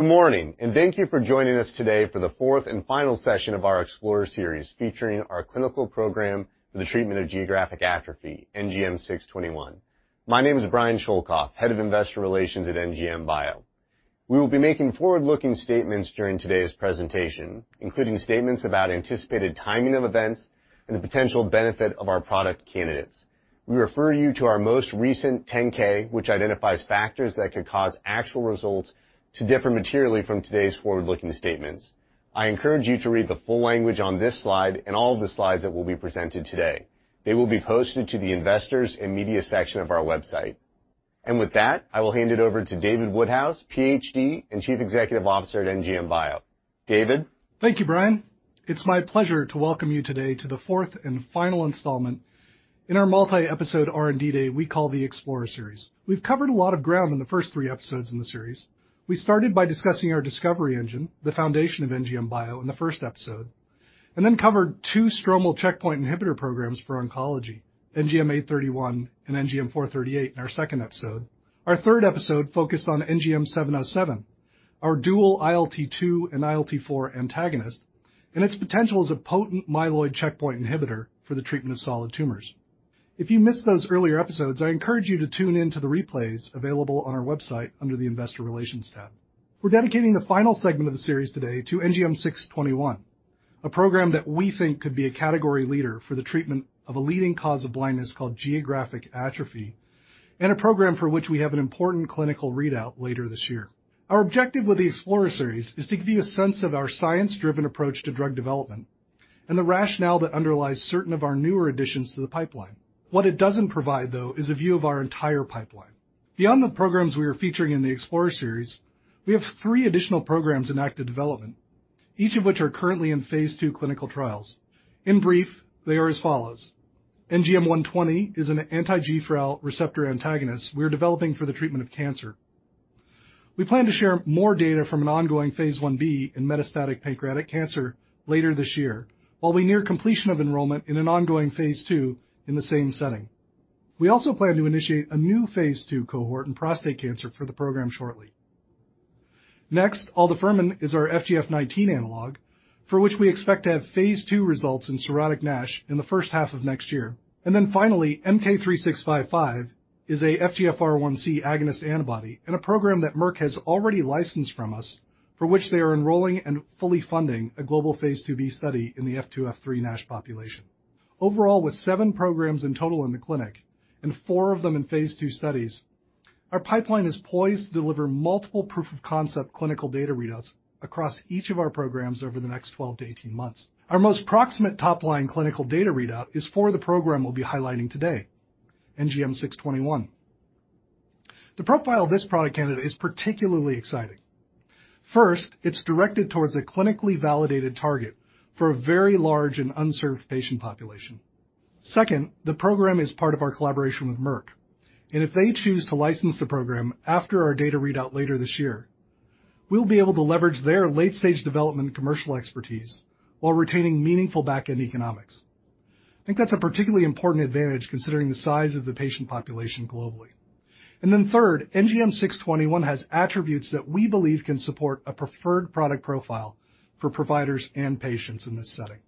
Good morning, and thank you for joining us today for the fourth and final session of our Explorer Series, featuring our clinical program for the treatment of geographic atrophy, NGM621. My name is Brian Schoelkopf, Head of Investor Relations at NGM Bio. We will be making forward-looking statements during today's presentation, including statements about anticipated timing of events and the potential benefit of our product candidates. We refer you to our most recent 10-K, which identifies factors that could cause actual results to differ materially from today's forward-looking statements. I encourage you to read the full language on this slide and all of the slides that will be presented today. They will be posted to the Investors and Media section of our website. With that, I will hand it over to David Woodhouse, Ph.D. and Chief Executive Officer at NGM Bio. David? Thank you, Brian. It's my pleasure to welcome you today to the fourth and final installment in our multi-episode R&D Day we call the Explorer Series. We've covered a lot of ground in the first three episodes in the series. We started by discussing our discovery engine, the foundation of NGM Bio, in the first episode, and then covered two stromal checkpoint inhibitor programs for oncology, NGM831 and NGM438 in our second episode. Our third episode focused on NGM707, our dual ILT2 and ILT4 antagonist, and its potential as a potent myeloid checkpoint inhibitor for the treatment of solid tumors. If you missed those earlier episodes, I encourage you to tune into the replays available on our website under the Investor Relations tab. We're dedicating the final segment of the series today to NGM621, a program that we think could be a category leader for the treatment of a leading cause of blindness called geographic atrophy, and a program for which we have an important clinical readout later this year. Our objective with the Explorer Series is to give you a sense of our science-driven approach to drug development and the rationale that underlies certain of our newer additions to the pipeline. What it doesn't provide, though, is a view of our entire pipeline. Beyond the programs we are featuring in the Explorer Series, we have three additional programs in active development, each of which are currently in phase II clinical trials. In brief, they are as follows. NGM120 is an anti-GFRAL receptor antagonist we're developing for the treatment of cancer. We plan to share more data from an ongoing phase I-B in metastatic pancreatic cancer later this year, while we near completion of enrollment in an ongoing phase II in the same setting. We also plan to initiate a new phase II cohort in prostate cancer for the program shortly. Next, aldafermin is our FGF19 analog, for which we expect to have phase II results in cirrhotic NASH in the first half of next year. Finally, MK-3655 is a FGFR1c agonist antibody in a program that Merck has already licensed from us, for which they are enrolling and fully funding a global phase II-B study in the F2/F3 NASH population. Overall, with seven programs in total in the clinic and four of them in phase II studies, our pipeline is poised to deliver multiple proof of concept clinical data readouts across each of our programs over the next 12-18 months. Our most proximate top-line clinical data readout is for the program we'll be highlighting today, NGM621. The profile of this product candidate is particularly exciting. First, it's directed towards a clinically validated target for a very large and unserved patient population. Second, the program is part of our collaboration with Merck, and if they choose to license the program after our data readout later this year, we'll be able to leverage their late-stage development commercial expertise while retaining meaningful backend economics. I think that's a particularly important advantage considering the size of the patient population globally. Third, NGM621 has attributes that we believe can support a preferred product profile for providers and patients in this setting.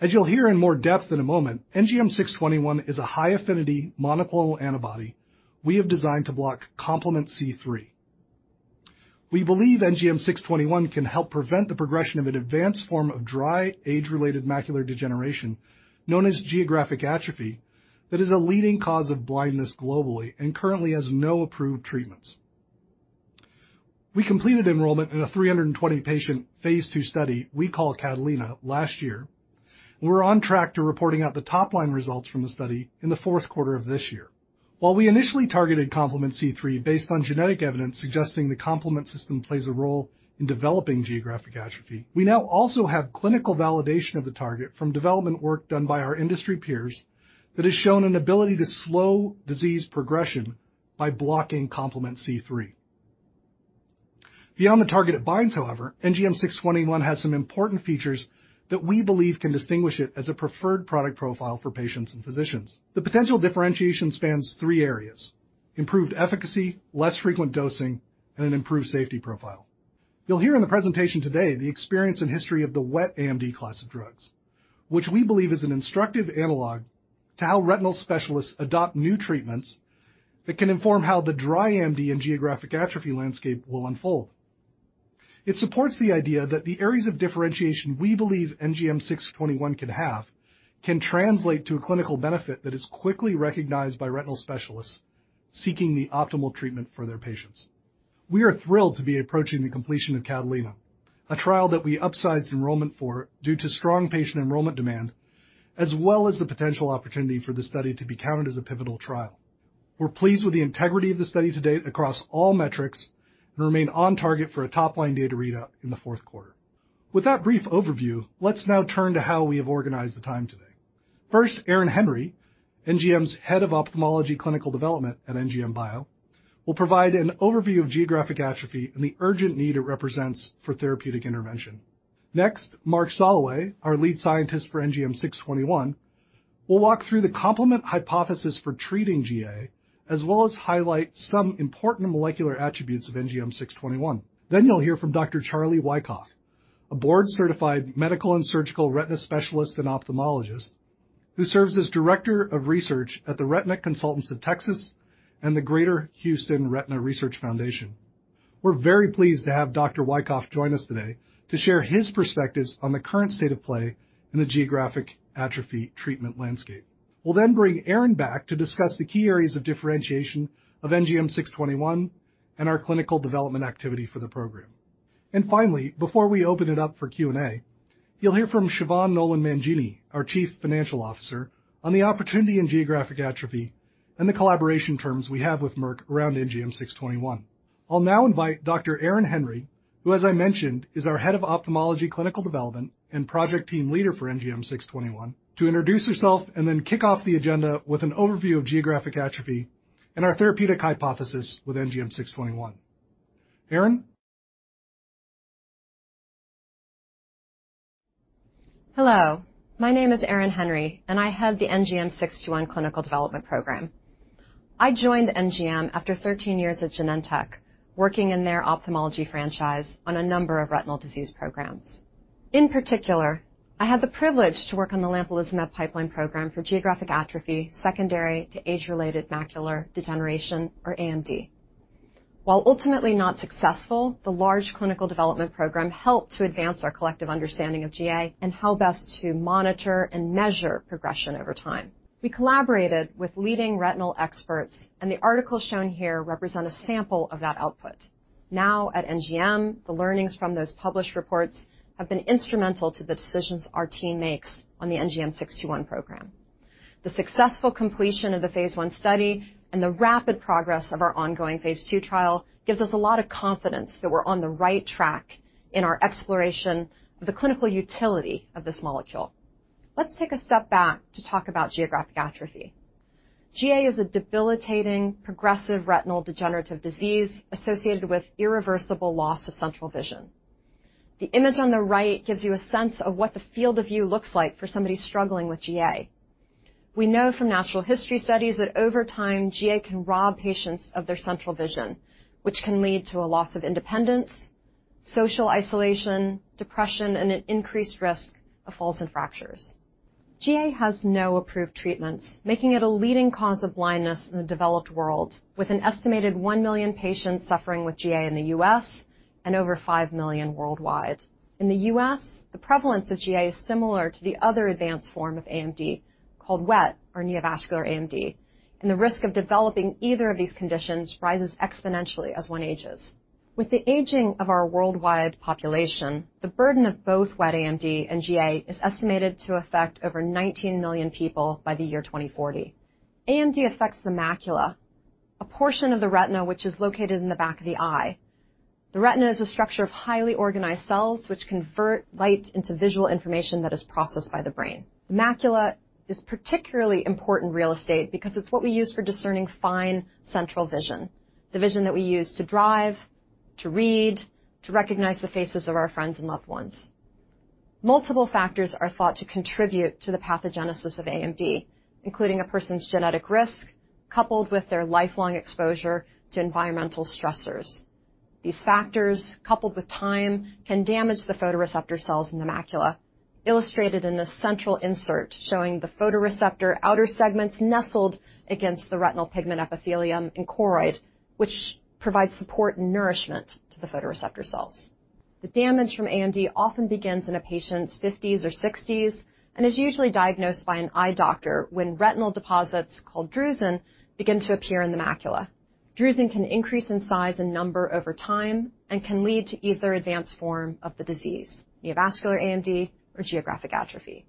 As you'll hear in more depth in a moment, NGM621 is a high-affinity monoclonal antibody we have designed to block Complement C3. We believe NGM621 can help prevent the progression of an advanced form of dry age-related macular degeneration, known as geographic atrophy, that is a leading cause of blindness globally and currently has no approved treatments. We completed enrollment in a 320-patient phase II study we call CATALINA last year. We're on track to reporting out the top-line results from the study in the fourth quarter of this year. While we initially targeted Complement C3 based on genetic evidence suggesting the complement system plays a role in developing geographic atrophy, we now also have clinical validation of the target from development work done by our industry peers that has shown an ability to slow disease progression by blocking Complement C3. Beyond the target it binds, however, NGM621 has some important features that we believe can distinguish it as a preferred product profile for patients and physicians. The potential differentiation spans three areas, improved efficacy, less frequent dosing, and an improved safety profile. You'll hear in the presentation today the experience and history of the wet AMD class of drugs, which we believe is an instructive analog to how retinal specialists adopt new treatments that can inform how the dry AMD and geographic atrophy landscape will unfold. It supports the idea that the areas of differentiation we believe NGM621 can have can translate to a clinical benefit that is quickly recognized by retinal specialists seeking the optimal treatment for their patients. We are thrilled to be approaching the completion of CATALINA, a trial that we upsized enrollment for due to strong patient enrollment demand, as well as the potential opportunity for the study to be counted as a pivotal trial. We're pleased with the integrity of the study to date across all metrics and remain on target for a top-line data readout in the fourth quarter. With that brief overview, let's now turn to how we have organized the time today. First, Erin Henry, NGM's Head of Ophthalmology Clinical Development at NGM Bio, will provide an overview of geographic atrophy and the urgent need it represents for therapeutic intervention. Next, Mark Soloway, our lead scientist for NGM621. We'll walk through the complement hypothesis for treating GA, as well as highlight some important molecular attributes of NGM621. You'll hear from Dr. Charlie Wykoff, a board-certified medical and surgical retina specialist and ophthalmologist who serves as Director of Research at the Retina Consultants of Texas and the Texas Retina Research Foundation. We're very pleased to have Dr. Wykoff join us today to share his perspectives on the current state of play in the geographic atrophy treatment landscape. We'll then bring Erin back to discuss the key areas of differentiation of NGM621 and our clinical development activity for the program. Finally, before we open it up for Q&A, you'll hear from Siobhan Nolan Mangini, our Chief Financial Officer, on the opportunity in geographic atrophy and the collaboration terms we have with Merck around NGM621. I'll now invite Dr. Erin Henry, who as I mentioned, is our Head of Ophthalmology Clinical Development and Project Team Leader for NGM621, to introduce herself and then kick off the agenda with an overview of geographic atrophy and our therapeutic hypothesis with NGM621. Erin? Hello, my name is Erin Henry, and I head the NGM621 Clinical Development Program. I joined NGM after 13 years at Genentech, working in their ophthalmology franchise on a number of retinal disease programs. In particular, I had the privilege to work on the lampalizumab pipeline program for geographic atrophy, secondary to age-related macular degeneration, or AMD. While ultimately not successful, the large clinical development program helped to advance our collective understanding of GA and how best to monitor and measure progression over time. We collaborated with leading retinal experts, and the articles shown here represent a sample of that output. Now at NGM, the learnings from those published reports have been instrumental to the decisions our team makes on the NGM621 program. The successful completion of the phase I study and the rapid progress of our ongoing phase II trial gives us a lot of confidence that we're on the right track in our exploration of the clinical utility of this molecule. Let's take a step back to talk about geographic atrophy. GA is a debilitating, progressive retinal degenerative disease associated with irreversible loss of central vision. The image on the right gives you a sense of what the field of view looks like for somebody struggling with GA. We know from natural history studies that over time, GA can rob patients of their central vision, which can lead to a loss of independence, social isolation, depression, and an increased risk of falls and fractures. GA has no approved treatments, making it a leading cause of blindness in the developed world, with an estimated 1 million patients suffering with GA in the U.S. and over 5 million worldwide. In the U.S., the prevalence of GA is similar to the other advanced form of AMD called wet or neovascular AMD, and the risk of developing either of these conditions rises exponentially as one ages. With the aging of our worldwide population, the burden of both wet AMD and GA is estimated to affect over 19 million people by the year 2040. AMD affects the macula, a portion of the retina which is located in the back of the eye. The retina is a structure of highly organized cells which convert light into visual information that is processed by the brain. macula is particularly important real estate because it's what we use for discerning fine central vision. The vision that we use to drive, to read, to recognize the faces of our friends and loved ones. Multiple factors are thought to contribute to the pathogenesis of AMD, including a person's genetic risk, coupled with their lifelong exposure to environmental stressors. These factors, coupled with time, can damage the photoreceptor cells in the macula, illustrated in this central insert showing the photoreceptor outer segments nestled against the retinal pigment epithelium and choroid, which provide support and nourishment to the photoreceptor cells. The damage from AMD often begins in a patient's fifties or sixties and is usually diagnosed by an eye doctor when retinal deposits called drusen begin to appear in the macula. Drusen can increase in size and number over time and can lead to either advanced form of the disease, neovascular AMD or geographic atrophy.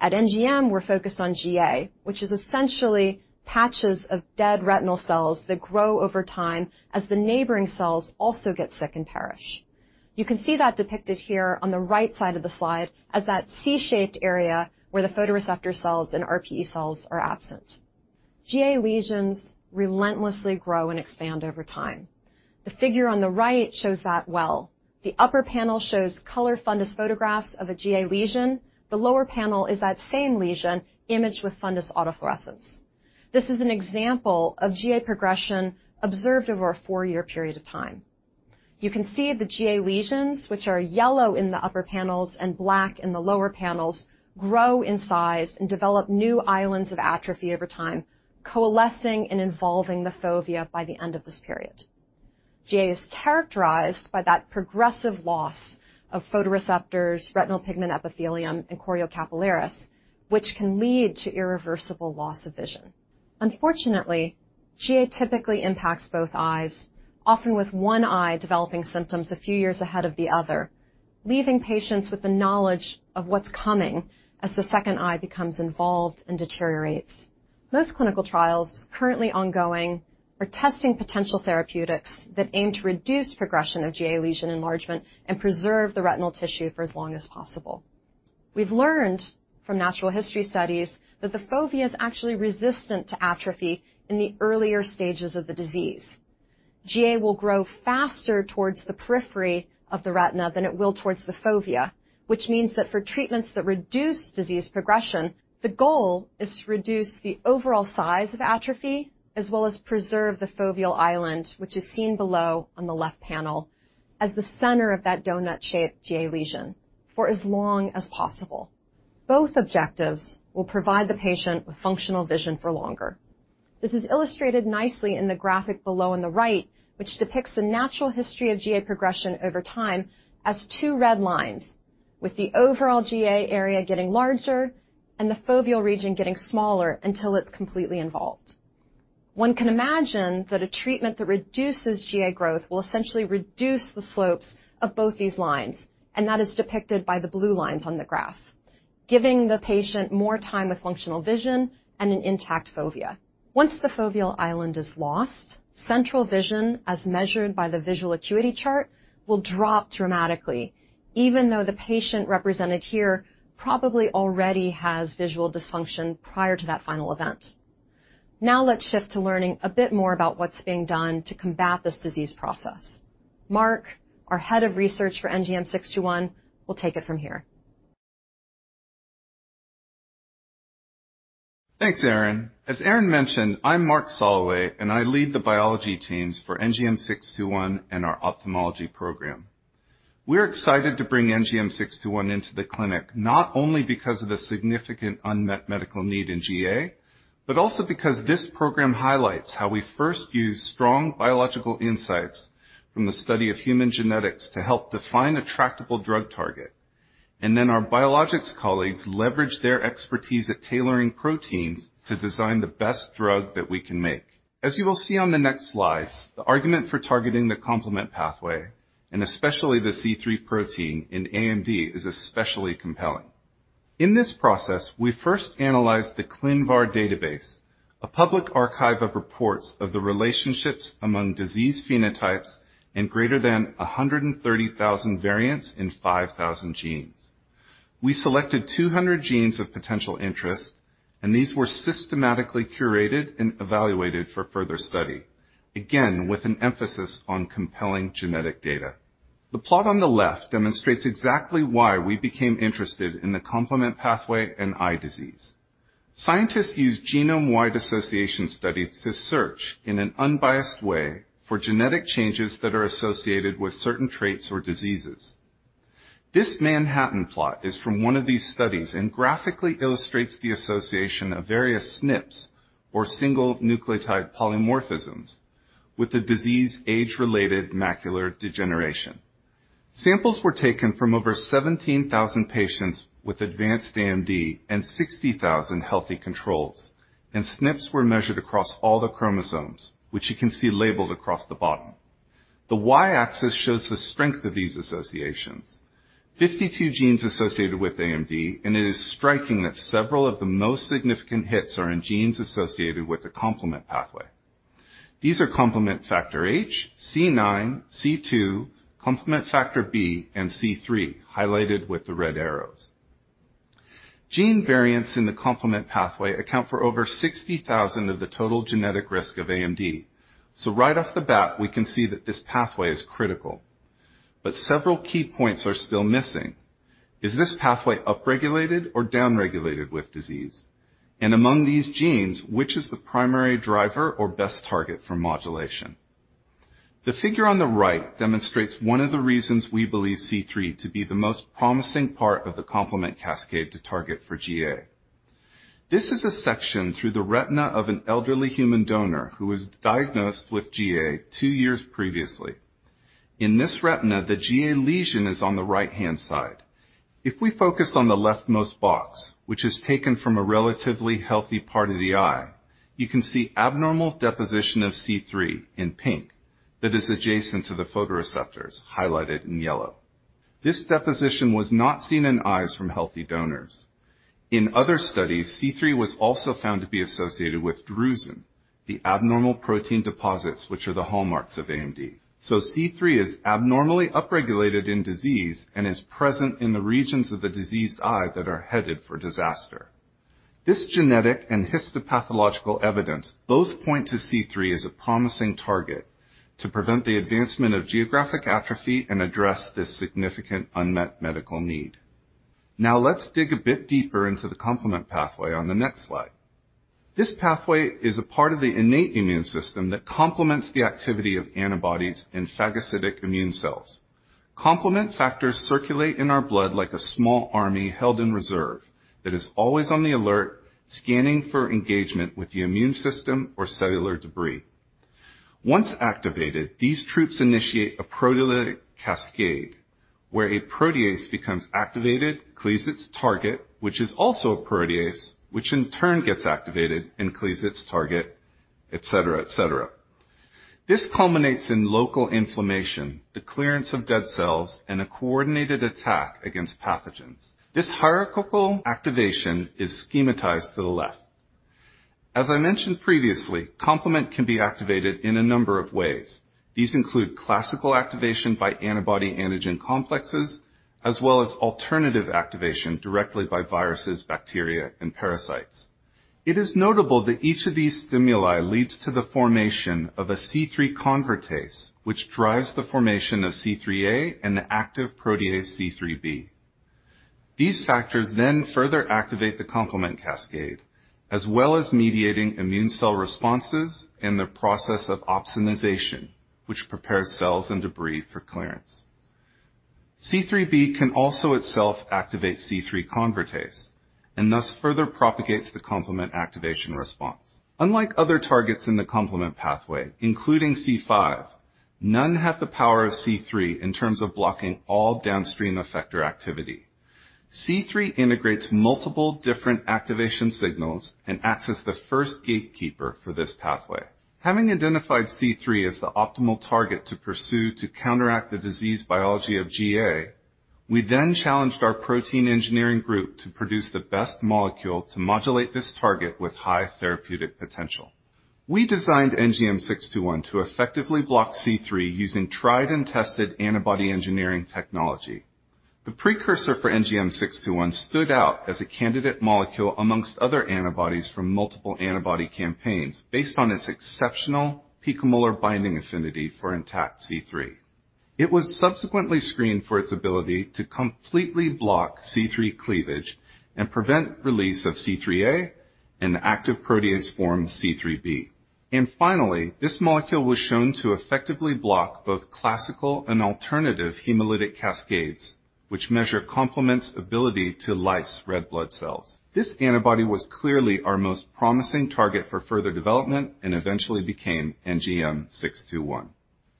At NGM, we're focused on GA, which is essentially patches of dead retinal cells that grow over time as the neighboring cells also get sick and perish. You can see that depicted here on the right side of the slide as that C-shaped area where the photoreceptor cells and RPE cells are absent. GA lesions relentlessly grow and expand over time. The figure on the right shows that well. The upper panel shows color fundus photographs of a GA lesion. The lower panel is that same lesion imaged with fundus autofluorescence. This is an example of GA progression observed over a four-year period of time. You can see the GA lesions, which are yellow in the upper panels and black in the lower panels, grow in size and develop new islands of atrophy over time, coalescing and involving the fovea by the end of this period. GA is characterized by that progressive loss of photoreceptors, retinal pigment epithelium, and choriocapillaris, which can lead to irreversible loss of vision. Unfortunately, GA typically impacts both eyes, often with one eye developing symptoms a few years ahead of the other, leaving patients with the knowledge of what's coming as the second eye becomes involved and deteriorates. Most clinical trials currently ongoing are testing potential therapeutics that aim to reduce progression of GA lesion enlargement and preserve the retinal tissue for as long as possible. We've learned from natural history studies that the fovea is actually resistant to atrophy in the earlier stages of the disease. GA will grow faster towards the periphery of the retina than it will towards the fovea, which means that for treatments that reduce disease progression, the goal is to reduce the overall size of atrophy as well as preserve the foveal island, which is seen below on the left panel as the center of that donut shape GA lesion for as long as possible. Both objectives will provide the patient with functional vision for longer. This is illustrated nicely in the graphic below on the right, which depicts the natural history of GA progression over time as two red lines, with the overall GA area getting larger and the foveal region getting smaller until it's completely involved. One can imagine that a treatment that reduces GA growth will essentially reduce the slopes of both these lines, and that is depicted by the blue lines on the graph, giving the patient more time with functional vision and an intact fovea. Once the foveal island is lost, central vision, as measured by the visual acuity chart, will drop dramatically even though the patient represented here probably already has visual dysfunction prior to that final event. Now let's shift to learning a bit more about what's being done to combat this disease process. Mark, our head of research for NGM621, will take it from here. Thanks, Erin. As Erin mentioned, I'm Mark Soloway, and I lead the biology teams for NGM621 and our ophthalmology program. We're excited to bring NGM621 into the clinic, not only because of the significant unmet medical need in GA, but also because this program highlights how we first used strong biological insights from the study of human genetics to help define a tractable drug target. Our biologics colleagues leveraged their expertise at tailoring proteins to design the best drug that we can make. As you will see on the next slide, the argument for targeting the complement pathway, and especially the C3 protein in AMD, is especially compelling. In this process, we first analyzed the ClinVar database, a public archive of reports of the relationships among disease phenotypes in greater than 130,000 variants in 5,000 genes. We selected 200 genes of potential interest, and these were systematically curated and evaluated for further study, again, with an emphasis on compelling genetic data. The plot on the left demonstrates exactly why we became interested in the complement pathway and eye disease. Scientists use genome-wide association studies to search in an unbiased way for genetic changes that are associated with certain traits or diseases. This Manhattan plot is from one of these studies and graphically illustrates the association of various SNPs, or single nucleotide polymorphisms, with the disease age-related macular degeneration. Samples were taken from over 17,000 patients with advanced AMD and 60,000 healthy controls, and SNPs were measured across all the chromosomes, which you can see labeled across the bottom. The Y-axis shows the strength of these associations. 52 genes associated with AMD, and it is striking that several of the most significant hits are in genes associated with the complement pathway. These are complement factor H, C9, C2, complement factor B, and C3, highlighted with the red arrows. Gene variants in the complement pathway account for over 60% of the total genetic risk of AMD. Right off the bat, we can see that this pathway is critical, but several key points are still missing. Is this pathway upregulated or downregulated with disease? And among these genes, which is the primary driver or best target for modulation? The figure on the right demonstrates one of the reasons we believe C3 to be the most promising part of the complement cascade to target for GA. This is a section through the retina of an elderly human donor who was diagnosed with GA two years previously. In this retina, the GA lesion is on the right-hand side. If we focus on the leftmost box, which is taken from a relatively healthy part of the eye, you can see abnormal deposition of C3 in pink that is adjacent to the photoreceptors highlighted in yellow. This deposition was not seen in eyes from healthy donors. In other studies, C3 was also found to be associated with drusen, the abnormal protein deposits which are the hallmarks of AMD. C3 is abnormally upregulated in disease and is present in the regions of the diseased eye that are headed for disaster. This genetic and histopathological evidence both point to C3 as a promising target to prevent the advancement of geographic atrophy and address this significant unmet medical need. Now let's dig a bit deeper into the complement pathway on the next slide. This pathway is a part of the innate immune system that complements the activity of antibodies and phagocytic immune cells. Complement factors circulate in our blood like a small army held in reserve that is always on the alert, scanning for engagement with the immune system or cellular debris. Once activated, these troops initiate a proteolytic cascade where a protease becomes activated, cleaves its target, which is also a protease, which in turn gets activated and cleaves its target, et cetera, et cetera. This culminates in local inflammation, the clearance of dead cells, and a coordinated attack against pathogens. This hierarchical activation is schematized to the left. As I mentioned previously, complement can be activated in a number of ways. These include classical activation by antibody antigen complexes, as well as alternative activation directly by viruses, bacteria, and parasites. It is notable that each of these stimuli leads to the formation of a C3 convertase, which drives the formation of C3a and the active protease C3b. These factors then further activate the complement cascade, as well as mediating immune cell responses and the process of opsonization, which prepares cells and debris for clearance. C3b can also itself activate C3 convertase and thus further propagates the complement activation response. Unlike other targets in the complement pathway, including C5, none have the power of C3 in terms of blocking all downstream effector activity. C3 integrates multiple different activation signals and acts as the first gatekeeper for this pathway. Having identified C3 as the optimal target to pursue to counteract the disease biology of GA, we then challenged our protein engineering group to produce the best molecule to modulate this target with high therapeutic potential. We designed NGM621 to effectively block C3 using tried and tested antibody engineering technology. The precursor for NGM621 stood out as a candidate molecule among other antibodies from multiple antibody campaigns based on its exceptional picomolar binding affinity for intact C3. It was subsequently screened for its ability to completely block C3 cleavage and prevent release of C3a and the active protease form C3b. Finally, this molecule was shown to effectively block both classical and alternative hemolytic cascades, which measure complement's ability to lyse red blood cells. This antibody was clearly our most promising target for further development and eventually became NGM621.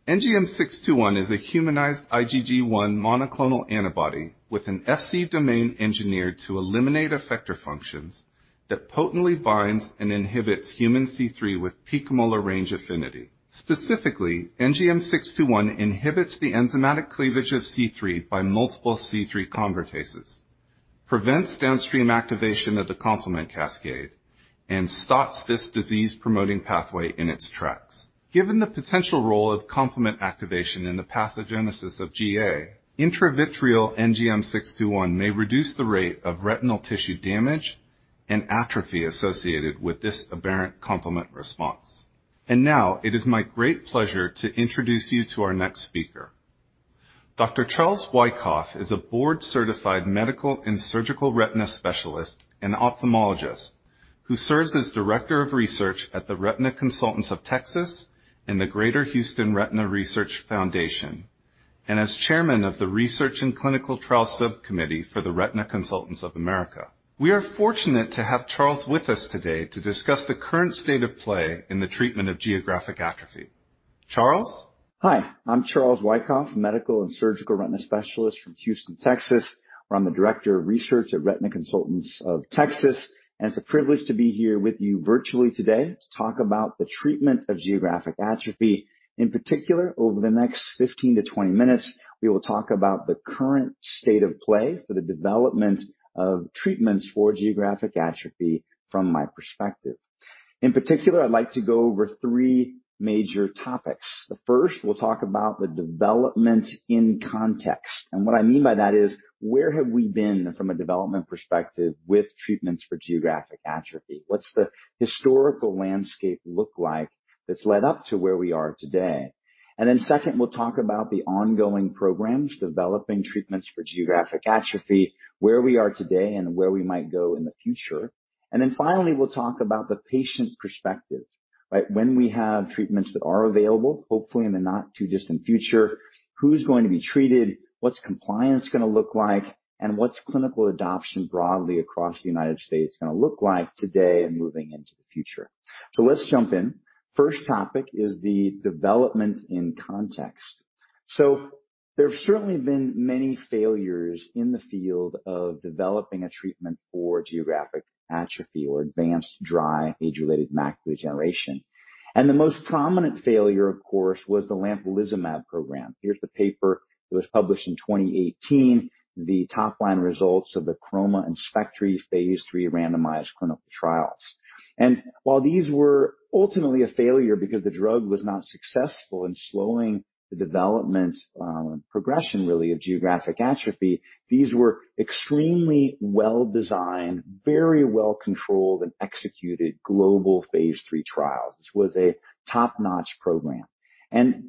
NGM621 is a humanized IgG1 monoclonal antibody with an Fc domain engineered to eliminate effector functions that potently binds and inhibits human C3 with picomolar range affinity. Specifically, NGM621 inhibits the enzymatic cleavage of C3 by multiple C3 convertases, prevents downstream activation of the complement cascade, and stops this disease-promoting pathway in its tracks. Given the potential role of complement activation in the pathogenesis of GA, intravitreal NGM621 may reduce the rate of retinal tissue damage and atrophy associated with this aberrant complement response. Now it is my great pleasure to introduce you to our next speaker. Dr. Charles Wykoff is a board-certified medical and surgical retina specialist and ophthalmologist who serves as Director of Research at the Retina Consultants of Texas and the Greater Houston Retina Research Foundation, and as Chairman of the Research and Clinical Trial Subcommittee for the Retina Consultants of America. We are fortunate to have Charles with us today to discuss the current state of play in the treatment of geographic atrophy. Charles? Hi, I'm Charles Wykoff, Medical and Surgical Retina Specialist from Houston, Texas, where I'm the Director of Research at Retina Consultants of Texas, and it's a privilege to be here with you virtually today to talk about the treatment of geographic atrophy. In particular, over the next 15-20 minutes, we will talk about the current state of play for the development of treatments for geographic atrophy from my perspective. In particular, I'd like to go over three major topics. The first, we'll talk about the development in context. What I mean by that is, where have we been from a development perspective with treatments for geographic atrophy? What's the historical landscape look like that's led up to where we are today? Second, we'll talk about the ongoing programs, developing treatments for geographic atrophy, where we are today and where we might go in the future. Then finally, we'll talk about the patient perspective, right? When we have treatments that are available, hopefully in the not-too-distant future, who's going to be treated, what's compliance gonna look like, and what's clinical adoption broadly across the United States gonna look like today and moving into the future. Let's jump in. First topic is the development in context. There have certainly been many failures in the field of developing a treatment for geographic atrophy or advanced dry age-related macular degeneration. The most prominent failure, of course, was the lampalizumab program. Here's the paper. It was published in 2018, the top-line results of the CHROMA and SPECTRI phase III randomized clinical trials. While these were ultimately a failure because the drug was not successful in slowing the development, progression really of geographic atrophy, these were extremely well-designed, very well-controlled and executed global phase III trials. This was a top-notch program.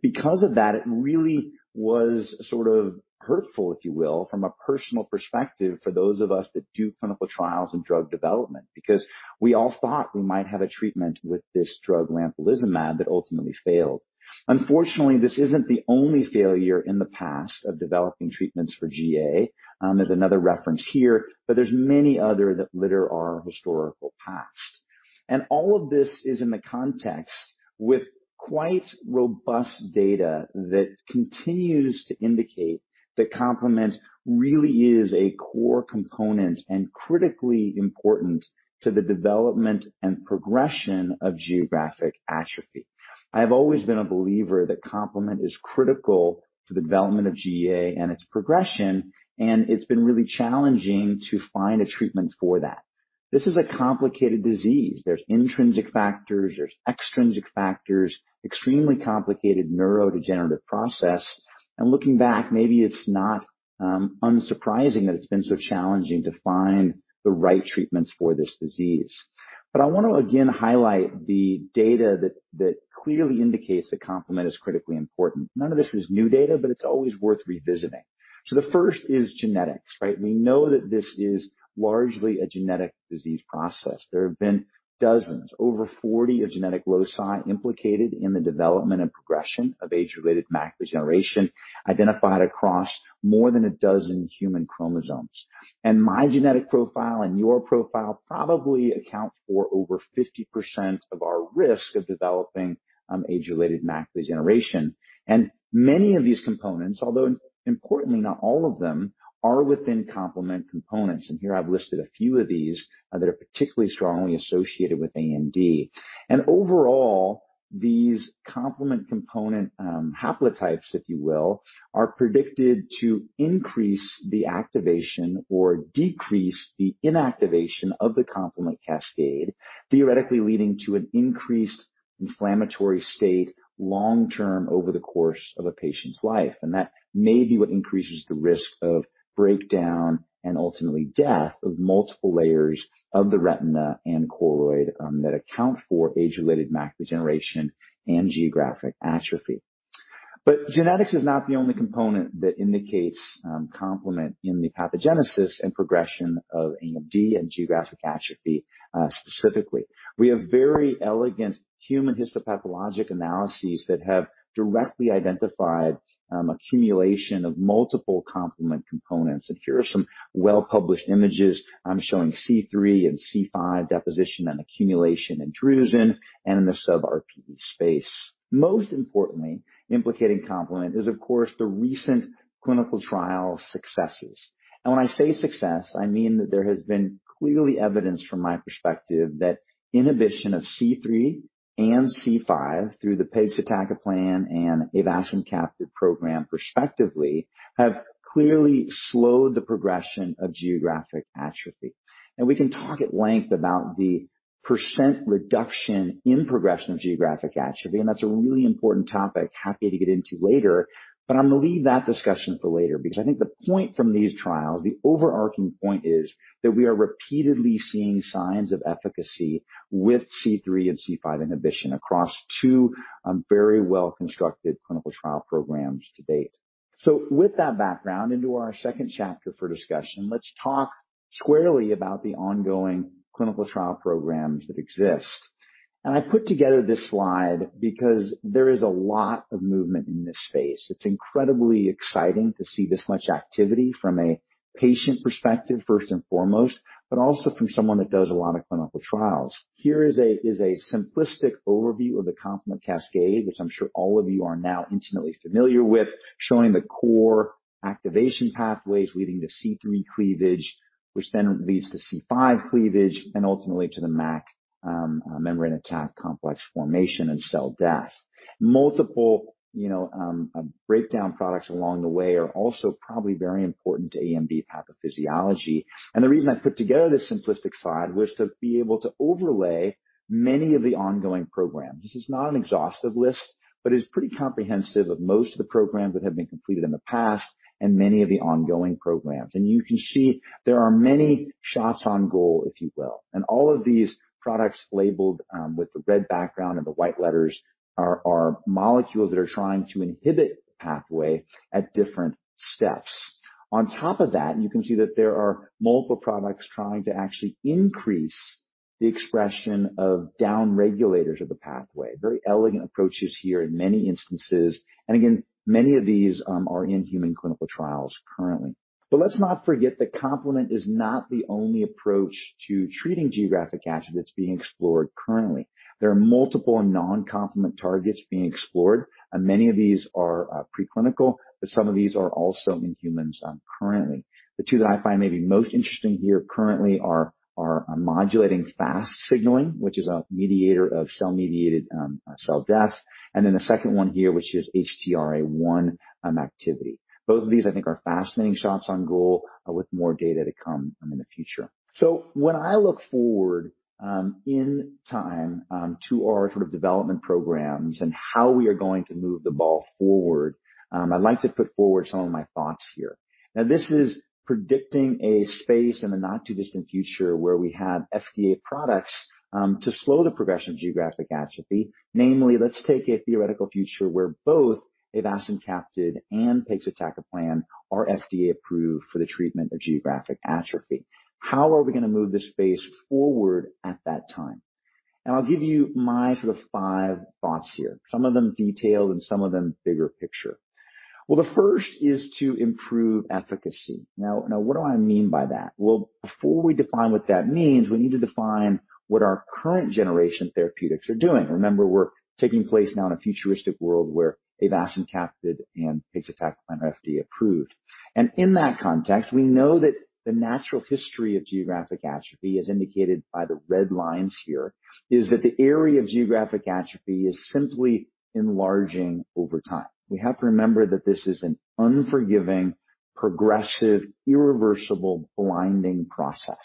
Because of that, it really was sort of hurtful, if you will, from a personal perspective for those of us that do clinical trials and drug development, because we all thought we might have a treatment with this drug lampalizumab that ultimately failed. Unfortunately, this isn't the only failure in the past of developing treatments for GA. There's another reference here, but there's many other that litter our historical past. All of this is in the context with quite robust data that continues to indicate that complement really is a core component and critically important to the development and progression of geographic atrophy. I've always been a believer that complement is critical to the development of GA and its progression, and it's been really challenging to find a treatment for that. This is a complicated disease. There's intrinsic factors, there's extrinsic factors, extremely complicated neurodegenerative process. Looking back, maybe it's not unsurprising that it's been so challenging to find the right treatments for this disease. I want to again highlight the data that clearly indicates that complement is critically important. None of this is new data, but it's always worth revisiting. The first is genetics, right? We know that this is largely a genetic disease process. There have been dozens, over 40 of genetic loci implicated in the development and progression of age-related macular degeneration, identified across more than a dozen human chromosomes. My genetic profile and your profile probably account for over 50% of our risk of developing age-related macular degeneration. Many of these components, although importantly, not all of them, are within complement components. Here I've listed a few of these that are particularly strongly associated with AMD. Overall, these complement component haplotypes, if you will, are predicted to increase the activation or decrease the inactivation of the complement cascade, theoretically leading to an increased inflammatory state long-term over the course of a patient's life. That may be what increases the risk of breakdown and ultimately death of multiple layers of the retina and choroid that account for age-related macular degeneration and geographic atrophy. Genetics is not the only component that indicates complement in the pathogenesis and progression of AMD and geographic atrophy, specifically. We have very elegant human histopathologic analyses that have directly identified accumulation of multiple complement components. Here are some well-published images showing C3 and C5 deposition and accumulation in drusen and in the sub RPE space. Most importantly, implicating complement is, of course, the recent clinical trial successes. When I say success, I mean that there has been clearly evidence from my perspective that inhibition of C3 and C5 through the pegcetacoplan and avacincaptad program prospectively have clearly slowed the progression of geographic atrophy. Now we can talk at length about the percent reduction in progression of geographic atrophy, and that's a really important topic, happy to get into later. I'm going to leave that discussion for later because I think the point from these trials, the overarching point is that we are repeatedly seeing signs of efficacy with C3 and C5 inhibition across two, very well-constructed clinical trial programs to date. With that background into our second chapter for discussion, let's talk squarely about the ongoing clinical trial programs that exist. I put together this slide because there is a lot of movement in this space. It's incredibly exciting to see this much activity from a patient perspective, first and foremost, but also from someone that does a lot of clinical trials. Here is a simplistic overview of the complement cascade, which I'm sure all of you are now intimately familiar with, showing the core activation pathways leading to C3 cleavage, which then leads to C5 cleavage and ultimately to the MAC, Membrane Attack Complex formation and cell death. Multiple, you know, breakdown products along the way are also probably very important to AMD pathophysiology. The reason I put together this simplistic slide was to be able to overlay many of the ongoing programs. This is not an exhaustive list, but is pretty comprehensive of most of the programs that have been completed in the past and many of the ongoing programs. You can see there are many shots on goal, if you will. All of these products labeled with the red background and the white letters are molecules that are trying to inhibit pathway at different steps. On top of that, you can see that there are multiple products trying to actually increase the expression of down regulators of the pathway. Very elegant approaches here in many instances. Again, many of these are in human clinical trials currently. Let's not forget that complement is not the only approach to treating geographic atrophy that's being explored currently. There are multiple non-complement targets being explored. Many of these are preclinical, but some of these are also in humans currently. The two that I find may be most interesting here currently are modulating Fas signaling, which is a mediator of cell-mediated cell death. Then the second one here, which is HTRA1 activity. Both of these, I think, are fascinating shots on goal with more data to come in the future. When I look forward in time to our sort of development programs and how we are going to move the ball forward, I'd like to put forward some of my thoughts here. This is predicting a space in the not-too-distant future where we have FDA products to slow the progression of geographic atrophy. Namely, let's take a theoretical future where both avacincaptad and pegcetacoplan are FDA approved for the treatment of geographic atrophy. How are we going to move this space forward at that time? I'll give you my sort of five thoughts here, some of them detailed and some of them bigger picture. Well, the first is to improve efficacy. Now, what do I mean by that? Well, before we define what that means, we need to define what our current generation therapeutics are doing. Remember, we're taking place now in a futuristic world where avacincaptad and pegcetacoplan are FDA approved. In that context, we know that the natural history of geographic atrophy, as indicated by the red lines here, is that the area of geographic atrophy is simply enlarging over time. We have to remember that this is an unforgiving, progressive, irreversible blinding process.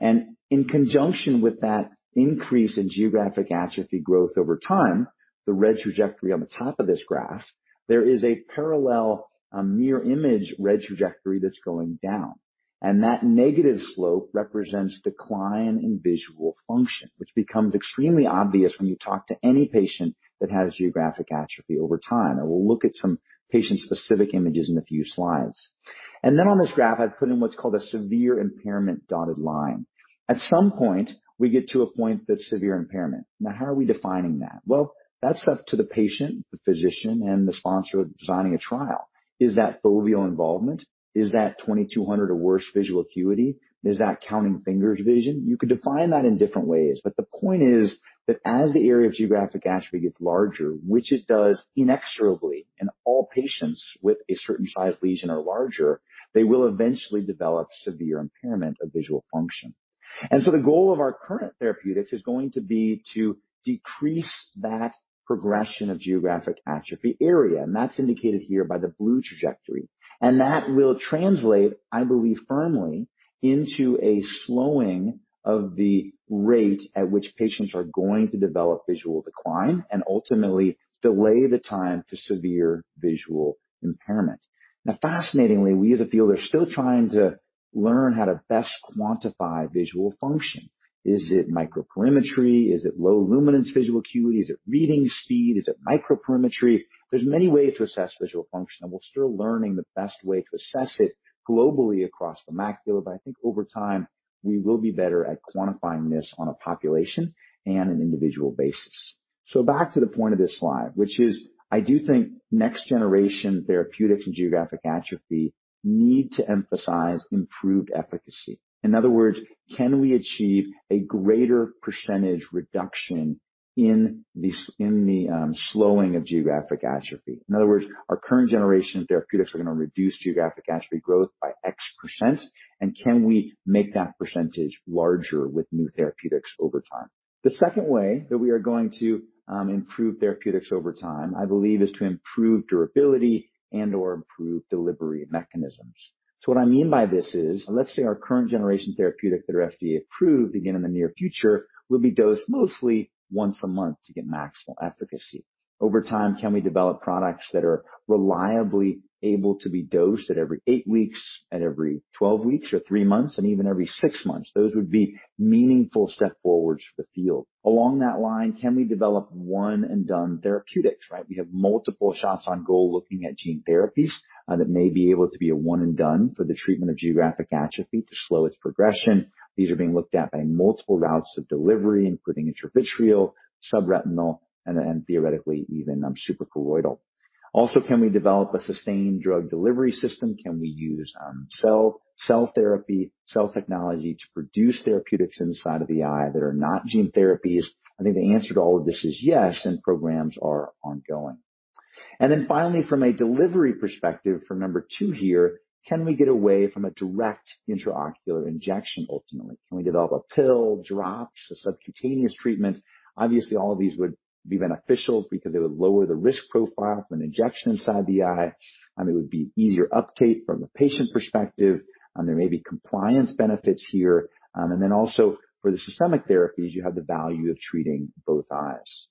In conjunction with that increase in geographic atrophy growth over time, the red trajectory on the top of this graph, there is a parallel, mirror image red trajectory that's going down. That negative slope represents decline in visual function, which becomes extremely obvious when you talk to any patient that has geographic atrophy over time. We'll look at some patient-specific images in a few slides. On this graph, I've put in what's called a severe impairment dotted line. At some point, we get to a point that's severe impairment. Now how are we defining that? Well, that's up to the patient, the physician, and the sponsor designing a trial. Is that foveal involvement? Is that 20/200 or worse visual acuity? Is that counting fingers vision? You could define that in different ways, but the point is that as the area of geographic atrophy gets larger, which it does inexorably in all patients with a certain size lesion or larger, they will eventually develop severe impairment of visual function. The goal of our current therapeutics is going to be to decrease that progression of geographic atrophy area, and that's indicated here by the blue trajectory. That will translate, I believe firmly, into a slowing of the rate at which patients are going to develop visual decline and ultimately delay the time to severe visual impairment. Now, fascinatingly, we as a field are still trying to learn how to best quantify visual function. Is it microperimetry? Is it low luminance visual acuity? Is it reading speed? Is it microperimetry? There's many ways to assess visual function, and we're still learning the best way to assess it globally across the macula. But I think over time, we will be better at quantifying this on a population and an individual basis. Back to the point of this slide, which is I do think next generation therapeutics and geographic atrophy need to emphasize improved efficacy. In other words, can we achieve a greater percentage reduction in the slowing of geographic atrophy? In other words, our current generation therapeutics are gonna reduce geographic atrophy growth by X%, and can we make that percentage larger with new therapeutics over time? The second way that we are going to improve therapeutics over time, I believe, is to improve durability and or improve delivery mechanisms. What I mean by this is, let's say our current generation therapeutics that are FDA-approved again in the near future will be dosed mostly once a month to get maximal efficacy. Over time, can we develop products that are reliably able to be dosed at every eight weeks, at every 12 weeks or three months, and even every six months? Those would be meaningful step forwards for the field. Along that line, can we develop one and done therapeutics, right? We have multiple shots on goal looking at gene therapies that may be able to be a one and done for the treatment of geographic atrophy to slow its progression. These are being looked at by multiple routes of delivery, including intravitreal, subretinal, and then theoretically even suprachoroidal. Also, can we develop a sustained drug delivery system? Can we use cell therapy, cell technology to produce therapeutics inside of the eye that are not gene therapies? I think the answer to all of this is yes, and programs are ongoing. Then finally, from a delivery perspective, for number two here, can we get away from a direct intraocular injection ultimately? Can we develop a pill, drops, a subcutaneous treatment? Obviously, all of these would be beneficial because they would lower the risk profile of an injection inside the eye, it would be easier uptake from a patient perspective, there may be compliance benefits here. Then also for the systemic therapies, you have the value of treating both eyes.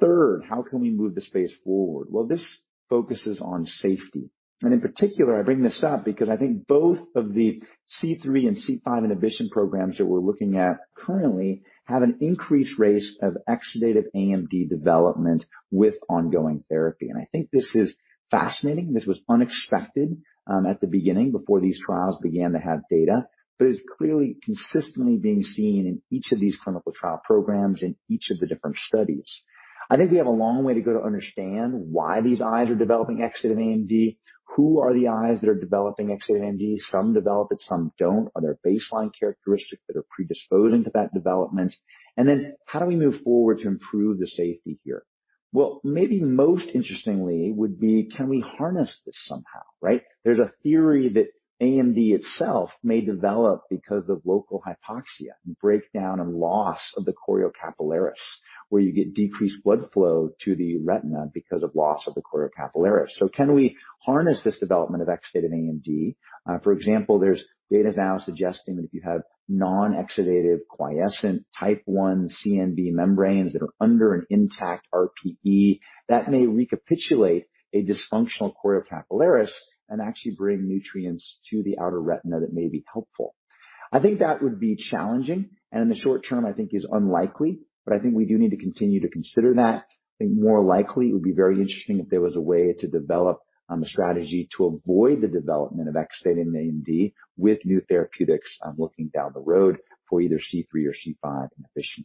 Third, how can we move the space forward? Well, this focuses on safety. In particular, I bring this up because I think both of the C3 and C5 inhibition programs that we're looking at currently have an increased rate of exudative AMD development with ongoing therapy. I think this is fascinating. This was unexpected, at the beginning before these trials began to have data. It's clearly consistently being seen in each of these clinical trial programs in each of the different studies. I think we have a long way to go to understand why these eyes are developing exudative AMD. Who are the eyes that are developing exudative AMD? Some develop it, some don't. Are there baseline characteristics that are predisposing to that development? How do we move forward to improve the safety here? Well, maybe most interestingly would be, can we harness this somehow, right? There's a theory that AMD itself may develop because of local hypoxia and breakdown and loss of the choriocapillaris, where you get decreased blood flow to the retina because of loss of the choriocapillaris. Can we harness this development of exudative AMD? For example, there's data now suggesting that if you have non-exudative quiescent type one CNV membranes that are under an intact RPE, that may recapitulate a dysfunctional choriocapillaris and actually bring nutrients to the outer retina that may be helpful. I think that would be challenging, and in the short term, I think is unlikely, but I think we do need to continue to consider that. I think more likely it would be very interesting if there was a way to develop a strategy to avoid the development of exudative AMD with new therapeutics, looking down the road for either C3 or C5 inhibition.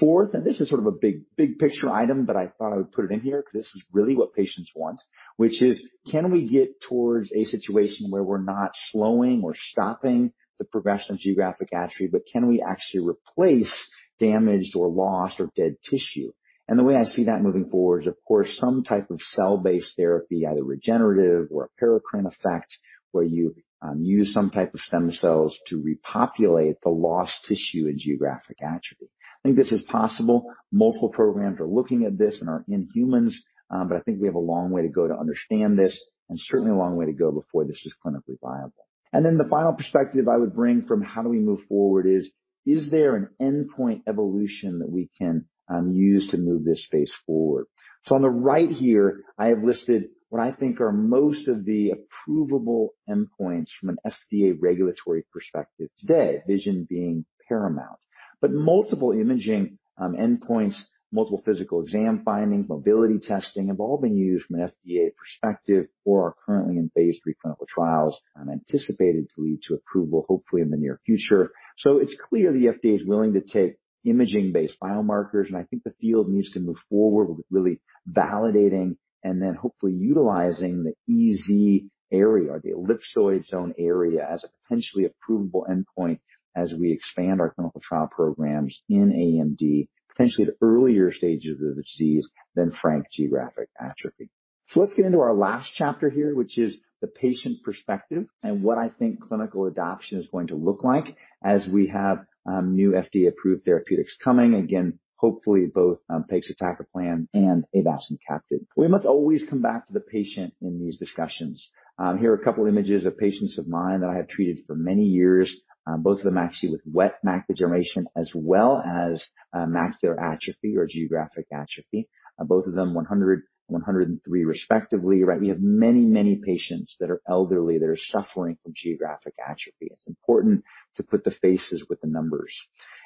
Fourth, this is sort of a big, big picture item, but I thought I would put it in here 'cause this is really what patients want, which is, can we get towards a situation where we're not slowing or stopping the progression of geographic atrophy, but can we actually replace damaged or lost or dead tissue? The way I see that moving forward is, of course, some type of cell-based therapy, either regenerative or a paracrine effect, where you, use some type of stem cells to repopulate the lost tissue in geographic atrophy. I think this is possible. Multiple programs are looking at this and are in humans. I think we have a long way to go to understand this and certainly a long way to go before this is clinically viable. The final perspective I would bring from how do we move forward is. Is there an endpoint evolution that we can, use to move this space forward? On the right here, I have listed what I think are most of the approvable endpoints from an FDA regulatory perspective today, vision being paramount. Multiple imaging endpoints, multiple physical exam findings, mobility testing have all been used from an FDA perspective or are currently in phase III clinical trials and anticipated to lead to approval, hopefully in the near future. It's clear the FDA is willing to take imaging-based biomarkers, and I think the field needs to move forward with really validating and then hopefully utilizing the EZ area or the ellipsoid zone area as a potentially approvable endpoint as we expand our clinical trial programs in AMD, potentially the earlier stages of the disease than frank geographic atrophy. Let's get into our last chapter here, which is the patient perspective and what I think clinical adoption is going to look like as we have new FDA-approved therapeutics coming. Again, hopefully both pegcetacoplan and Avacincaptad. We must always come back to the patient in these discussions. Here are a couple images of patients of mine that I have treated for many years, both of them actually with wet macular degeneration as well as macular atrophy or geographic atrophy. Both of them 100 and 103, respectively, right? We have many, many patients that are elderly that are suffering from geographic atrophy. It's important to put the faces with the numbers.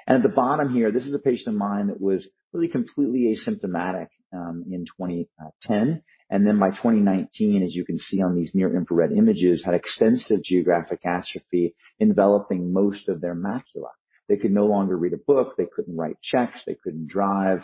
At the bottom here, this is a patient of mine that was really completely asymptomatic in 2010. Then by 2019, as you can see on these near-infrared images, had extensive geographic atrophy enveloping most of their macula. They could no longer read a book, they couldn't write checks, they couldn't drive.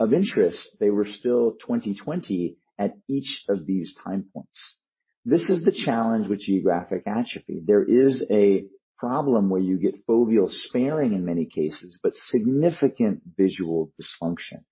Of interest, they were still 20/20 at each of these time points. This is the challenge with geographic atrophy. There is a problem where you get foveal sparing in many cases, but significant visual dysfunction.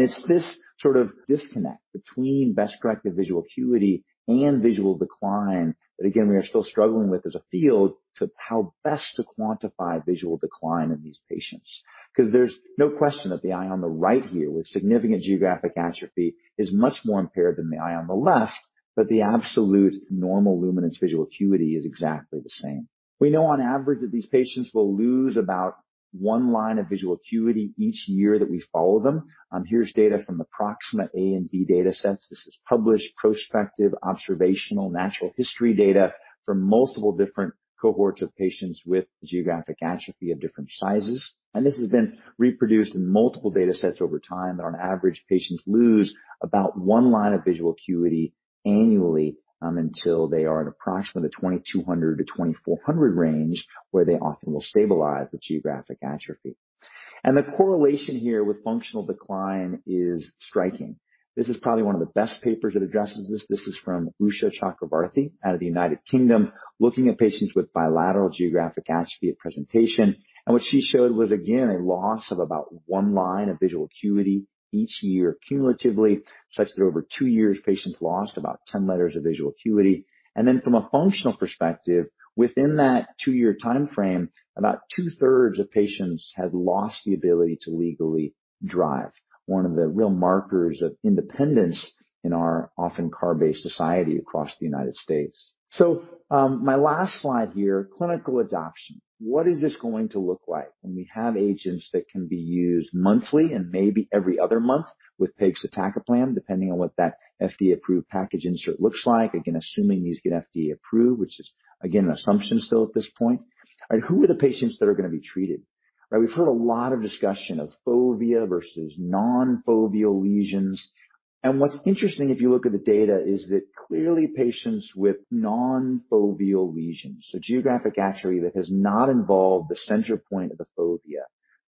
It's this sort of disconnect between best-corrected visual acuity and visual decline that again, we are still struggling with as a field to how best to quantify visual decline in these patients. 'Cause there's no question that the eye on the right here with significant geographic atrophy is much more impaired than the eye on the left, but the absolute normal luminance visual acuity is exactly the same. We know on average that these patients will lose about one line of visual acuity each year that we follow them. Here's data from the Proxima AMD datasets. This is published prospective observational natural history data from multiple different cohorts of patients with geographic atrophy of different sizes. This has been reproduced in multiple datasets over time that on average, patients lose about one line of visual acuity annually, until they are at approximately the 2,200 to 2,400 range, where they often will stabilize the geographic atrophy. The correlation here with functional decline is striking. This is probably one of the best papers that addresses this. This is from Usha Chakravarthy out of the United Kingdom, looking at patients with bilateral geographic atrophy at presentation. What she showed was, again, a loss of about one line of visual acuity each year cumulatively, such that over two years, patients lost about 10 letters of visual acuity. Then from a functional perspective, within that two-year timeframe, about 2/3 of patients had lost the ability to legally drive, one of the real markers of independence in our often car-based society across the United States. My last slide here, clinical adoption. What is this going to look like when we have agents that can be used monthly and maybe every other month with pegcetacoplan, depending on what that FDA-approved package insert looks like? Again, assuming these get FDA approved, which is again, an assumption still at this point. All right, who are the patients that are going to be treated? Right, we've heard a lot of discussion of fovea versus non-foveal lesions. What's interesting if you look at the data is that clearly patients with non-foveal lesions, so geographic atrophy that has not involved the center point of the fovea,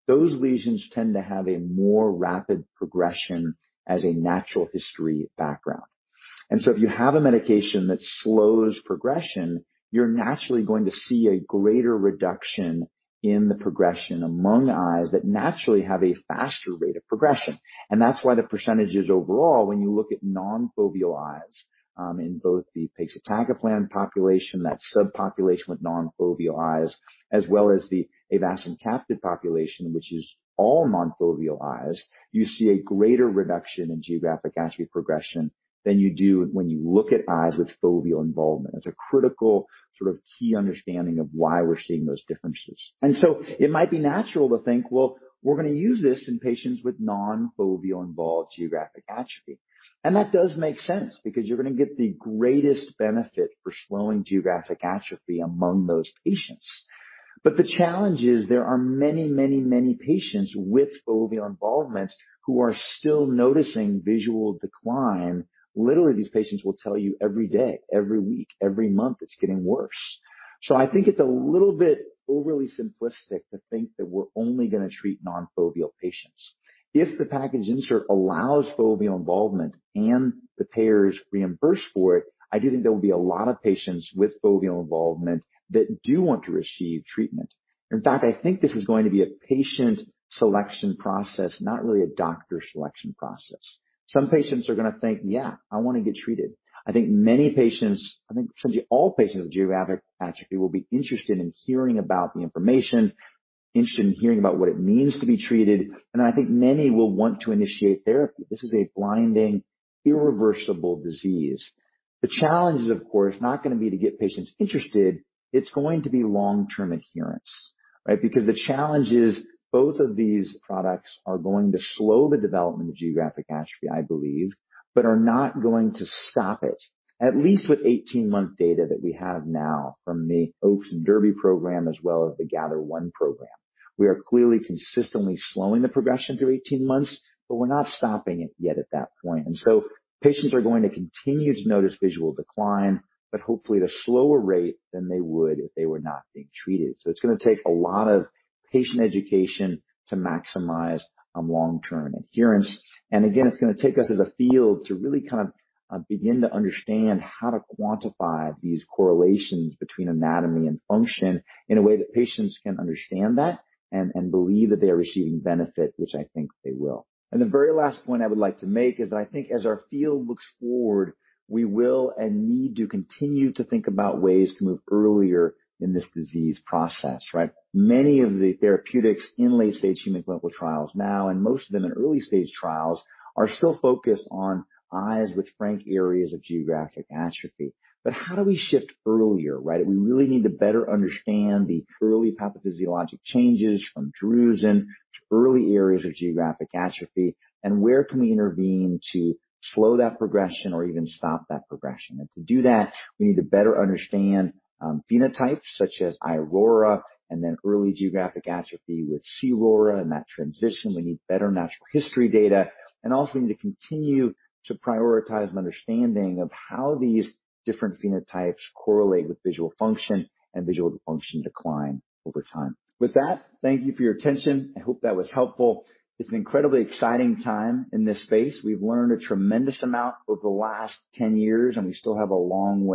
those lesions tend to have a more rapid progression as a natural history background. If you have a medication that slows progression, you're naturally going to see a greater reduction in the progression among eyes that naturally have a faster rate of progression. That's why the percentages overall, when you look at non-foveal eyes, in both the pegcetacoplan population, that subpopulation with non-foveal eyes, as well as the avacincaptad population, which is all non-foveal eyes, you see a greater reduction in geographic atrophy progression than you do when you look at eyes with foveal involvement. That's a critical sort of key understanding of why we're seeing those differences. It might be natural to think, well, we're going to use this in patients with non-foveal involved geographic atrophy. That does make sense because you're going to get the greatest benefit for slowing geographic atrophy among those patients. The challenge is there are many, many, many patients with foveal involvement who are still noticing visual decline. Literally, these patients will tell you every day, every week, every month, it's getting worse. I think it's a little bit overly simplistic to think that we're only going to treat non-foveal patients. If the package insert allows foveal involvement and the payers reimburse for it, I do think there will be a lot of patients with foveal involvement that do want to receive treatment. In fact, I think this is going to be a patient selection process, not really a doctor selection process. Some patients are going to think, "Yeah, I want to get treated." I think essentially all patients with geographic atrophy will be interested in hearing about what it means to be treated, and I think many will want to initiate therapy. This is a blinding, irreversible disease. The challenge is, of course, not going to be to get patients interested. It's going to be long-term adherence, right? Because the challenge is both of these products are going to slow the development of geographic atrophy, I believe, but are not going to stop it. At least with 18-month data that we have now from the OAKS and DERBY program as well as the GATHER1 program. We are clearly consistently slowing the progression through 18 months, but we're not stopping it yet at that point. Patients are going to continue to notice visual decline, but hopefully at a slower rate than they would if they were not being treated. It's going to take a lot of patient education to maximize long-term adherence. Again, it's going to take us as a field to really kind of begin to understand how to quantify these correlations between anatomy and function in a way that patients can understand that and believe that they are receiving benefit, which I think they will. The very last point I would like to make is that I think as our field looks forward, we will and need to continue to think about ways to move earlier in this disease process, right? Many of the therapeutics in late-stage human clinical trials now, and most of them in early-stage trials, are still focused on eyes with frank areas of geographic atrophy. How do we shift earlier, right? We really need to better understand the early pathophysiologic changes from drusen to early areas of geographic atrophy, and where can we intervene to slow that progression or even stop that progression. To do that, we need to better understand phenotypes such as iRORA and then early geographic atrophy with cRORA and that transition. We need better natural history data. Also, we need to continue to prioritize an understanding of how these different phenotypes correlate with visual function and visual function decline over time. With that, thank you for your attention. I hope that was helpful. It's an incredibly exciting time in this space. We've learned a tremendous amount over the last 10 years, and we still have a long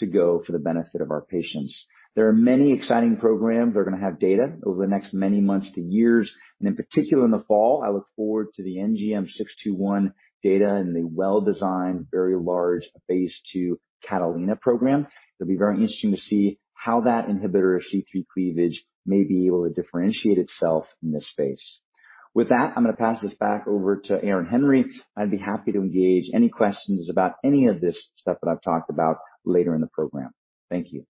way to go for the benefit of our patients. There are many exciting programs that are going to have data over the next many months to years. In particular, in the fall, I look forward to the NGM621 data and the well-designed, very large phase II CATALINA program. It'll be very interesting to see how that inhibitor of C3 cleavage may be able to differentiate itself in this space. With that, I'm going to pass this back over to Erin Henry. I'd be happy to engage any questions about any of this stuff that I've talked about later in the program. Thank you.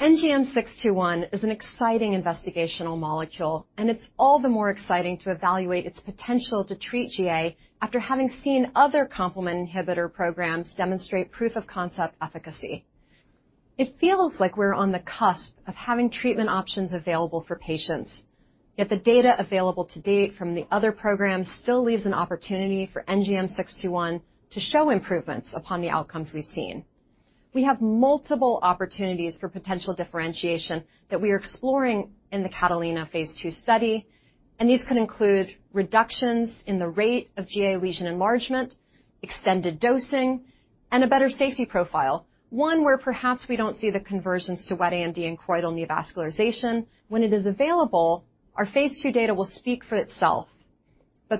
NGM621 is an exciting investigational molecule, and it's all the more exciting to evaluate its potential to treat GA after having seen other complement inhibitor programs demonstrate proof of concept efficacy. It feels like we're on the cusp of having treatment options available for patients. Yet the data available to date from the other programs still leaves an opportunity for NGM621 to show improvements upon the outcomes we've seen. We have multiple opportunities for potential differentiation that we are exploring in the CATALINA phase II study, and these could include reductions in the rate of GA lesion enlargement, extended dosing, and a better safety profile, one where perhaps we don't see the convergence to wet AMD and choroidal neovascularization. When it is available, our phase II data will speak for itself.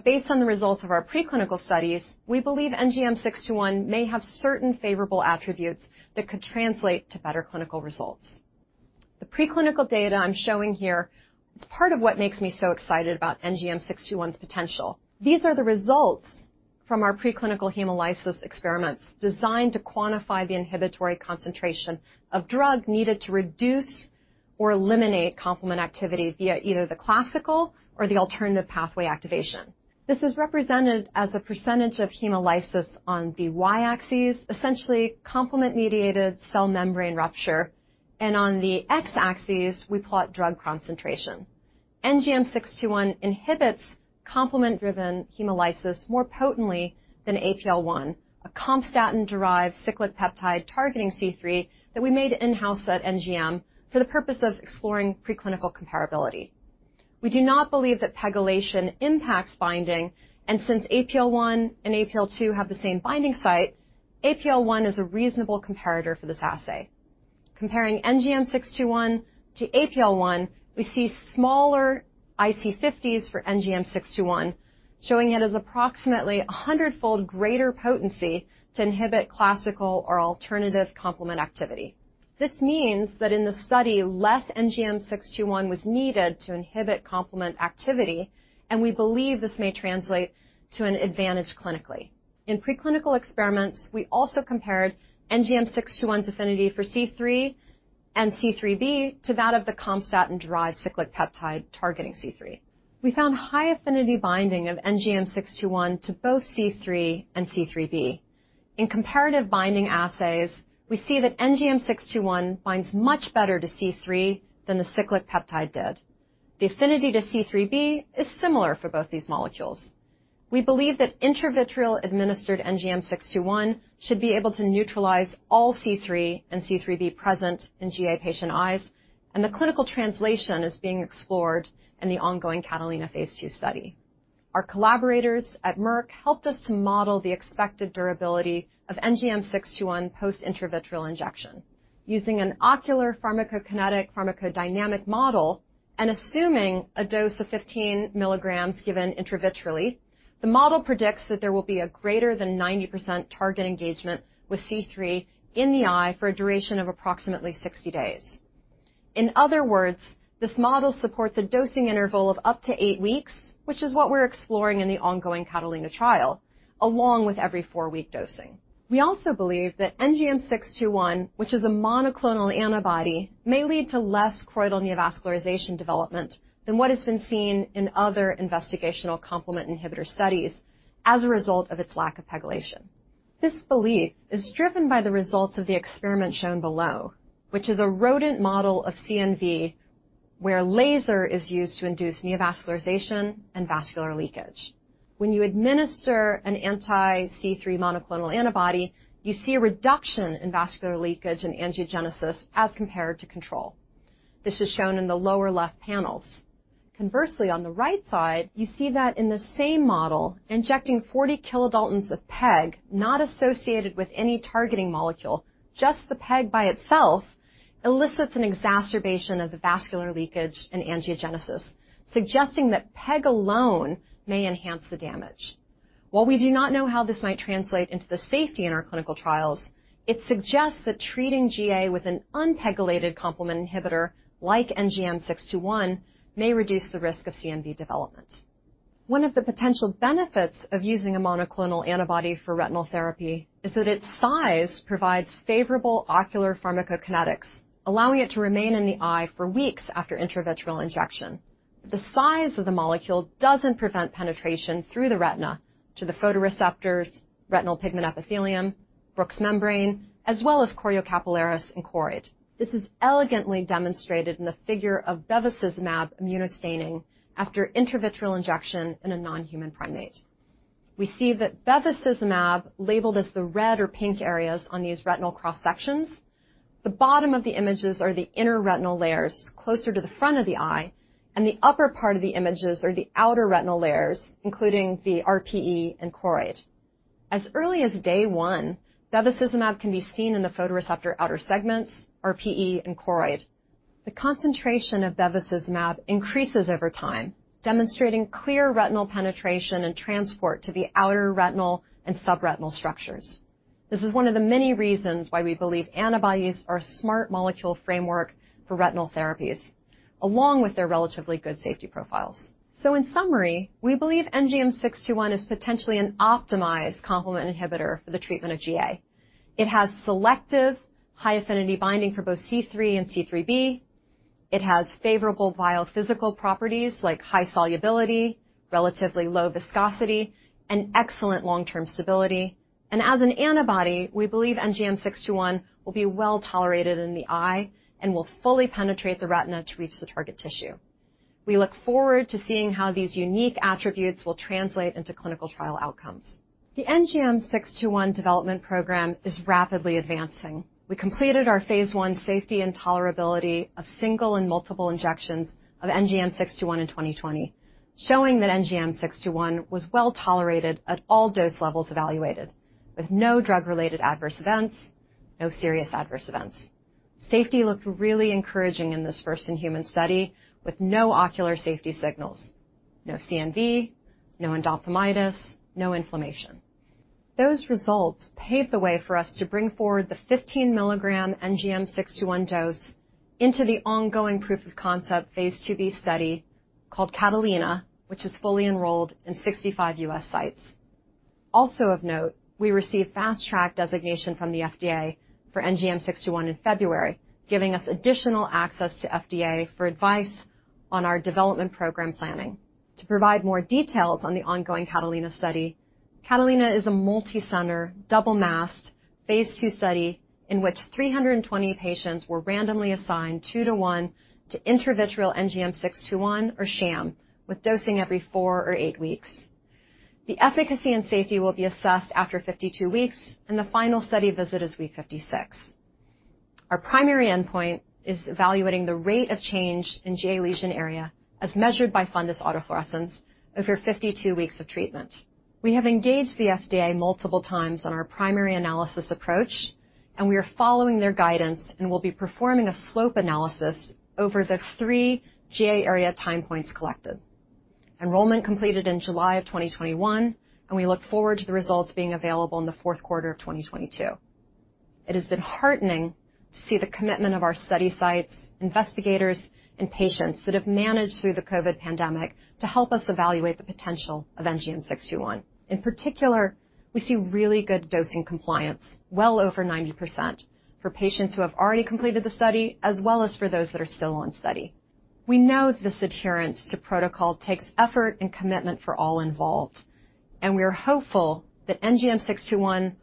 Based on the results of our preclinical studies, we believe NGM621 may have certain favorable attributes that could translate to better clinical results. The preclinical data I'm showing here, it's part of what makes me so excited about NGM621's potential. These are the results from our preclinical hemolysis experiments designed to quantify the inhibitory concentration of drug needed to reduce or eliminate complement activity via either the classical or the alternative pathway activation. This is represented as a percentage of hemolysis on the Y-axis, essentially complement-mediated cell membrane rupture. On the x-axis, we plot drug concentration. NGM621 inhibits complement-driven hemolysis more potently than APL-1, a Compstatin-derived cyclic peptide targeting C3 that we made in-house at NGM for the purpose of exploring preclinical comparability. We do not believe that pegylation impacts binding, and since APL-1 and APL-2 have the same binding site, APL-1 is a reasonable comparator for this assay. Comparing NGM621 to APL-1, we see smaller IC50s for NGM621, showing it is approximately 100-fold greater potency to inhibit classical or alternative complement activity. This means that in the study, less NGM621 was needed to inhibit complement activity, and we believe this may translate to an advantage clinically. In preclinical experiments, we also compared NGM621's affinity for C3 and C3b to that of the Compstatin derivative cyclic peptide targeting C3. We found high-affinity binding of NGM621 to both C3 and C3b. In comparative binding assays, we see that NGM621 binds much better to C3 than the cyclic peptide did. The affinity to C3b is similar for both these molecules. We believe that intravitreal-administered NGM621 should be able to neutralize all C3 and C3b present in GA patient eyes, and the clinical translation is being explored in the ongoing CATALINA phase II study. Our collaborators at Merck helped us to model the expected durability of NGM621 post-intravitreal injection. Using an ocular pharmacokinetic pharmacodynamic model. Assuming a dose of 15 mg given intravitreal, the model predicts that there will be a greater than 90% target engagement with C3 in the eye for a duration of approximately 60 days. In other words, this model supports a dosing interval of up to eight weeks, which is what we're exploring in the ongoing CATALINA trial, along with every four-week dosing. We also believe that NGM621, which is a monoclonal antibody, may lead to less choroidal neovascularization development than what has been seen in other investigational complement inhibitor studies as a result of its lack of pegylation. This belief is driven by the results of the experiment shown below, which is a rodent model of CNV, where laser is used to induce neovascularization and vascular leakage. When you administer an anti-C3 monoclonal antibody, you see a reduction in vascular leakage and angiogenesis as compared to control. This is shown in the lower left panels. Conversely, on the right side, you see that in the same model, injecting 40 kDa of PEG, not associated with any targeting molecule, just the PEG by itself, elicits an exacerbation of the vascular leakage and angiogenesis, suggesting that PEG alone may enhance the damage. While we do not know how this might translate into the safety in our clinical trials, it suggests that treating GA with an unpegylated complement inhibitor like NGM621 may reduce the risk of CNV development. One of the potential benefits of using a monoclonal antibody for retinal therapy is that its size provides favorable ocular pharmacokinetics, allowing it to remain in the eye for weeks after intravitreal injection. The size of the molecule doesn't prevent penetration through the retina to the photoreceptors, retinal pigment epithelium, Bruch's membrane, as well as choriocapillaris and choroid. This is elegantly demonstrated in the figure of bevacizumab immunostaining after intravitreal injection in a non-human primate. We see that bevacizumab labeled as the red or pink areas on these retinal cross-sections. The bottom of the images are the inner retinal layers closer to the front of the eye, and the upper part of the images are the outer retinal layers, including the RPE and choroid. As early as day one, bevacizumab can be seen in the photoreceptor outer segments, RPE, and choroid. The concentration of bevacizumab increases over time, demonstrating clear retinal penetration and transport to the outer retinal and subretinal structures. This is one of the many reasons why we believe antibodies are a smart molecule framework for retinal therapies, along with their relatively good safety profiles. In summary, we believe NGM621 is potentially an optimized complement inhibitor for the treatment of GA. It has selective high-affinity binding for both C3 and C3b. It has favorable biophysical properties like high solubility, relatively low viscosity, and excellent long-term stability. As an antibody, we believe NGM621 will be well-tolerated in the eye and will fully penetrate the retina to reach the target tissue. We look forward to seeing how these unique attributes will translate into clinical trial outcomes. The NGM621 development program is rapidly advancing. We completed our phase I safety and tolerability of single and multiple injections of NGM621 in 2020, showing that NGM621 was well-tolerated at all dose levels evaluated with no drug-related adverse events, no serious adverse events. Safety looked really encouraging in this first in-human study with no ocular safety signals, no CNV, no endophthalmitis, no inflammation. Those results paved the way for us to bring forward the 15-mg NGM621 dose into the ongoing proof of concept phase II-B study called CATALINA, which is fully enrolled in 65 U.S. sites. Also of note, we received Fast Track designation from the FDA for NGM621 in February, giving us additional access to FDA for advice on our development program planning. To provide more details on the ongoing CATALINA study, CATALINA is a multicenter, double-masked, phase II study in which 320 patients were randomly assigned two to one to intravitreal NGM621 or sham with dosing every four or eight weeks. The efficacy and safety will be assessed after 52 weeks, and the final study visit is week 56. Our primary endpoint is evaluating the rate of change in GA lesion area as measured by fundus autofluorescence over 52 weeks of treatment. We have engaged the FDA multiple times on our primary analysis approach, and we are following their guidance and will be performing a slope analysis over the three GA area time points collected. Enrollment completed in July 2021, and we look forward to the results being available in the fourth quarter of 2022. It has been heartening to see the commitment of our study sites, investigators, and patients that have managed through the COVID pandemic to help us evaluate the potential of NGM621. In particular, we see really good dosing compliance, well over 90%, for patients who have already completed the study as well as for those that are still on study. We know this adherence to protocol takes effort and commitment for all involved, and we are hopeful that NGM621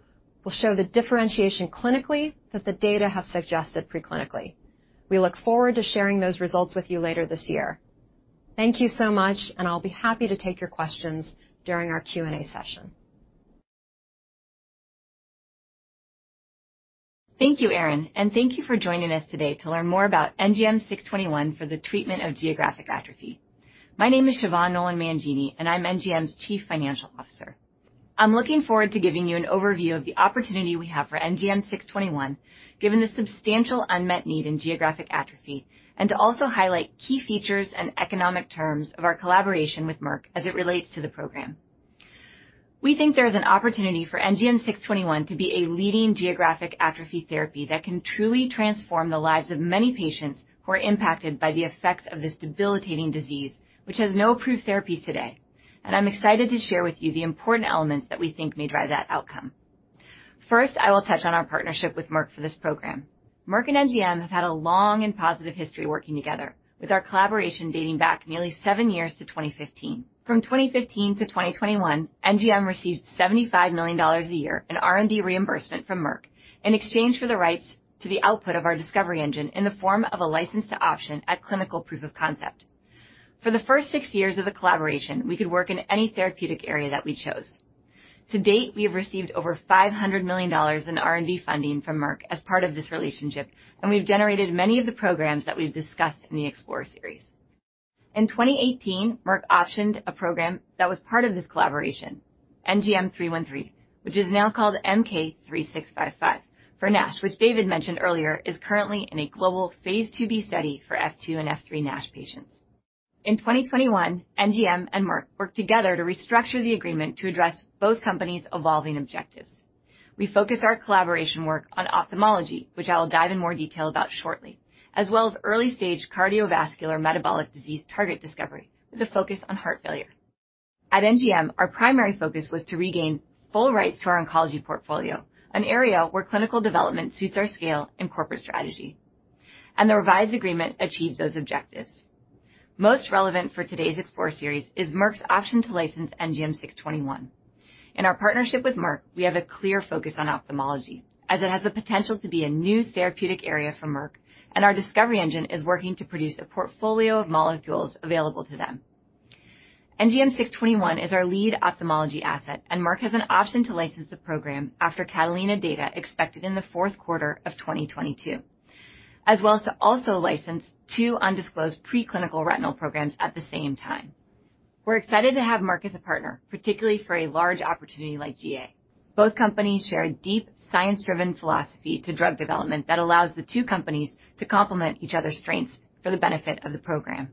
will show the differentiation clinically that the data have suggested preclinically. We look forward to sharing those results with you later this year. Thank you so much, and I'll be happy to take your questions during our Q&A session. Thank you, Erin, and thank you for joining us today to learn more about NGM621 for the treatment of geographic atrophy. My name is Siobhan Nolan Mangini, and I'm NGM's Chief Financial Officer. I'm looking forward to giving you an overview of the opportunity we have for NGM621, given the substantial unmet need in geographic atrophy, and to also highlight key features and economic terms of our collaboration with Merck as it relates to the program. We think there's an opportunity for NGM621 to be a leading geographic atrophy therapy that can truly transform the lives of many patients who are impacted by the effects of this debilitating disease, which has no approved therapies today. I'm excited to share with you the important elements that we think may drive that outcome. First, I will touch on our partnership with Merck for this program. Merck and NGM have had a long and positive history working together, with our collaboration dating back nearly seven years to 2015. From 2015 to 2021, NGM received $75 million a year in R&D reimbursement from Merck in exchange for the rights to the output of our discovery engine in the form of a license to option at clinical proof of concept. For the first six years of the collaboration, we could work in any therapeutic area that we chose. To date, we have received over $500 million in R&D funding from Merck as part of this relationship, and we've generated many of the programs that we've discussed in the Explorer Series. In 2018, Merck optioned a program that was part of this collaboration, NGM313, which is now called MK-3655 for NASH, which David mentioned earlier is currently in a global phase II-B study for F2 and F3 NASH patients. In 2021, NGM and Merck worked together to restructure the agreement to address both companies' evolving objectives. We focused our collaboration work on ophthalmology, which I will dive in more detail about shortly, as well as early-stage cardiovascular metabolic disease target discovery with a focus on heart failure. At NGM, our primary focus was to regain full rights to our oncology portfolio, an area where clinical development suits our scale and corporate strategy. The revised agreement achieved those objectives. Most relevant for today's Explorer Series is Merck's option to license NGM621. In our partnership with Merck, we have a clear focus on ophthalmology, as it has the potential to be a new therapeutic area for Merck, and our discovery engine is working to produce a portfolio of molecules available to them. NGM621 is our lead ophthalmology asset, and Merck has an option to license the program after CATALINA data expected in the fourth quarter of 2022, as well as to also license two undisclosed preclinical retinal programs at the same time. We're excited to have Merck as a partner, particularly for a large opportunity like GA. Both companies share a deep science-driven philosophy to drug development that allows the two companies to complement each other's strengths for the benefit of the program.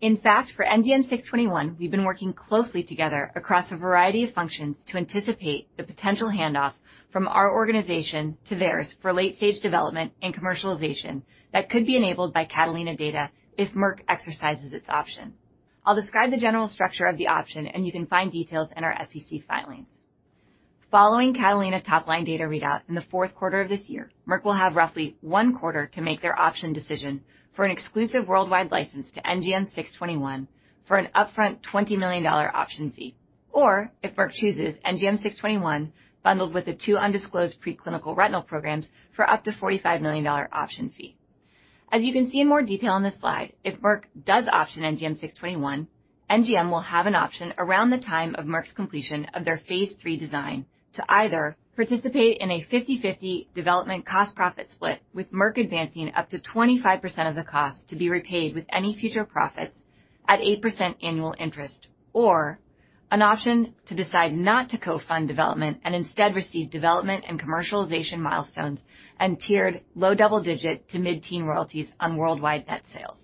In fact, for NGM621, we've been working closely together across a variety of functions to anticipate the potential handoff from our organization to theirs for late-stage development and commercialization that could be enabled by CATALINA data if Merck exercises its option. I'll describe the general structure of the option, and you can find details in our SEC filings. Following CATALINA top-line data readout in the fourth quarter of this year, Merck will have roughly one quarter to make their option decision for an exclusive worldwide license to NGM621 for an upfront $20 million option fee. If Merck chooses, NGM621 bundled with the two undisclosed preclinical retinal programs for up to $45 million option fee. As you can see in more detail on this slide, if Merck does option NGM621, NGM will have an option around the time of Merck's completion of their phase III design to either participate in a 50/50 development cost profit split, with Merck advancing up to 25% of the cost to be repaid with any future profits at 8% annual interest, or an option to decide not to co-fund development and instead receive development and commercialization milestones and tiered low double-digit to mid-teen royalties on worldwide net sales.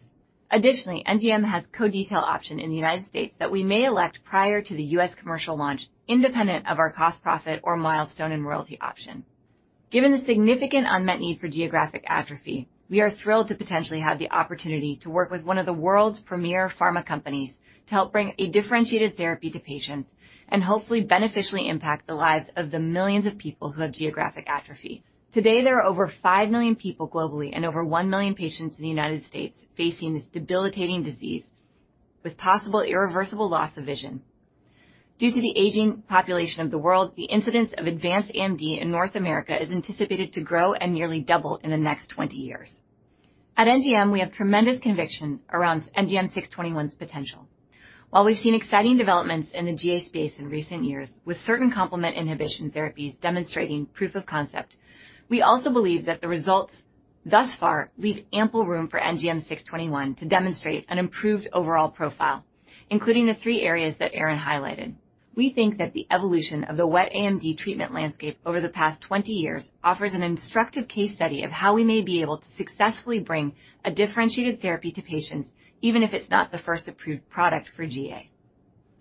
Additionally, NGM has co-detail option in the United States that we may elect prior to the U.S. commercial launch independent of our co-profit or milestone and royalty option. Given the significant unmet need for geographic atrophy, we are thrilled to potentially have the opportunity to work with one of the world's premier pharma companies to help bring a differentiated therapy to patients and hopefully beneficially impact the lives of the millions of people who have geographic atrophy. Today, there are over 5 million people globally and over 1 million patients in the United States facing this debilitating disease with possible irreversible loss of vision. Due to the aging population of the world, the incidence of advanced AMD in North America is anticipated to grow and nearly double in the next 20 years. At NGM, we have tremendous conviction around NGM621's potential. While we've seen exciting developments in the GA space in recent years, with certain complement inhibition therapies demonstrating proof of concept, we also believe that the results thus far leave ample room for NGM621 to demonstrate an improved overall profile, including the three areas that Erin highlighted. We think that the evolution of the wet AMD treatment landscape over the past 20 years offers an instructive case study of how we may be able to successfully bring a differentiated therapy to patients, even if it's not the first approved product for GA.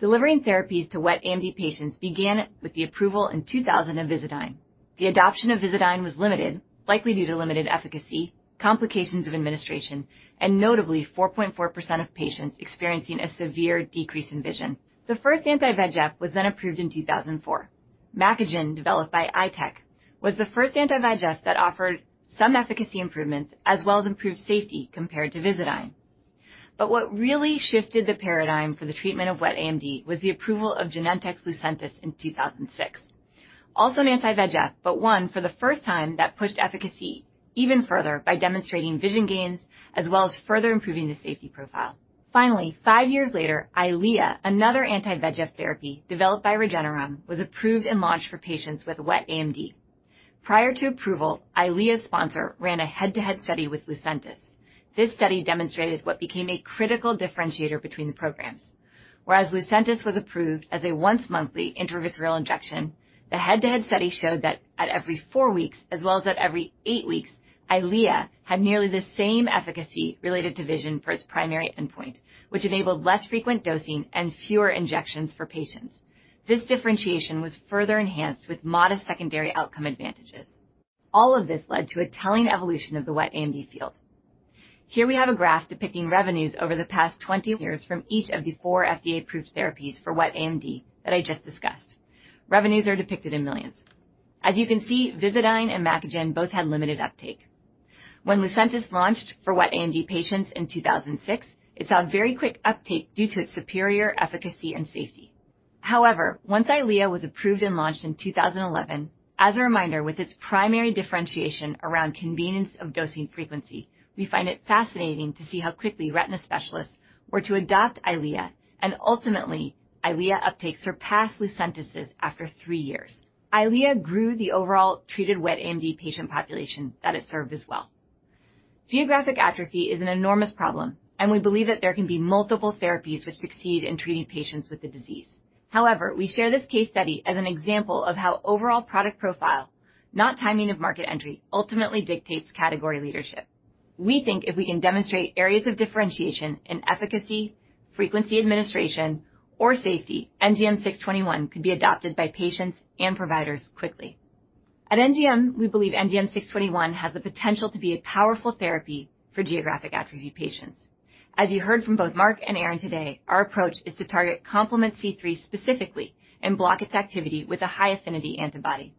Delivering therapies to wet AMD patients began with the approval in 2000 of Visudyne. The adoption of Visudyne was limited, likely due to limited efficacy, complications of administration, and notably 4.4% of patients experiencing a severe decrease in vision. The first Anti-VEGF was then approved in 2004. Macugen, developed by Eyetech, was the first anti-VEGF that offered some efficacy improvements as well as improved safety compared to Visudyne. What really shifted the paradigm for the treatment of wet AMD was the approval of Genentech's Lucentis in 2006, also an anti-VEGF, but one for the first time that pushed efficacy even further by demonstrating vision gains as well as further improving the safety profile. Finally, five years later, Eylea, another anti-VEGF therapy developed by Regeneron, was approved and launched for patients with wet AMD. Prior to approval, Eylea's sponsor ran a head-to-head study with Lucentis. This study demonstrated what became a critical differentiator between the programs. Whereas Lucentis was approved as a once-monthly intravitreal injection, the head-to-head study showed that at every four weeks, as well as at every eight weeks, Eylea had nearly the same efficacy related to vision for its primary endpoint, which enabled less frequent dosing and fewer injections for patients. This differentiation was further enhanced with modest secondary outcome advantages. All of this led to a telling evolution of the wet AMD field. Here we have a graph depicting revenues over the past 20 years from each of the four FDA-approved therapies for wet AMD that I just discussed. Revenues are depicted in millions. As you can see, Visudyne and Macugen both had limited uptake. When Lucentis launched for wet AMD patients in 2006, it saw very quick uptake due to its superior efficacy and safety. However, once Eylea was approved and launched in 2011, as a reminder, with its primary differentiation around convenience of dosing frequency, we find it fascinating to see how quickly retina specialists were to adopt Eylea, and ultimately, Eylea uptake surpassed Lucentis' after three years. Eylea grew the overall treated wet AMD patient population that it served as well. Geographic atrophy is an enormous problem, and we believe that there can be multiple therapies which succeed in treating patients with the disease. However, we share this case study as an example of how overall product profile, not timing of market entry, ultimately dictates category leadership. We think if we can demonstrate areas of differentiation in efficacy, frequency administration, or safety, NGM621 could be adopted by patients and providers quickly. At NGM, we believe NGM621 has the potential to be a powerful therapy for geographic atrophy patients. As you heard from both Mark and Erin today, our approach is to target complement C3 specifically and block its activity with a high-affinity antibody.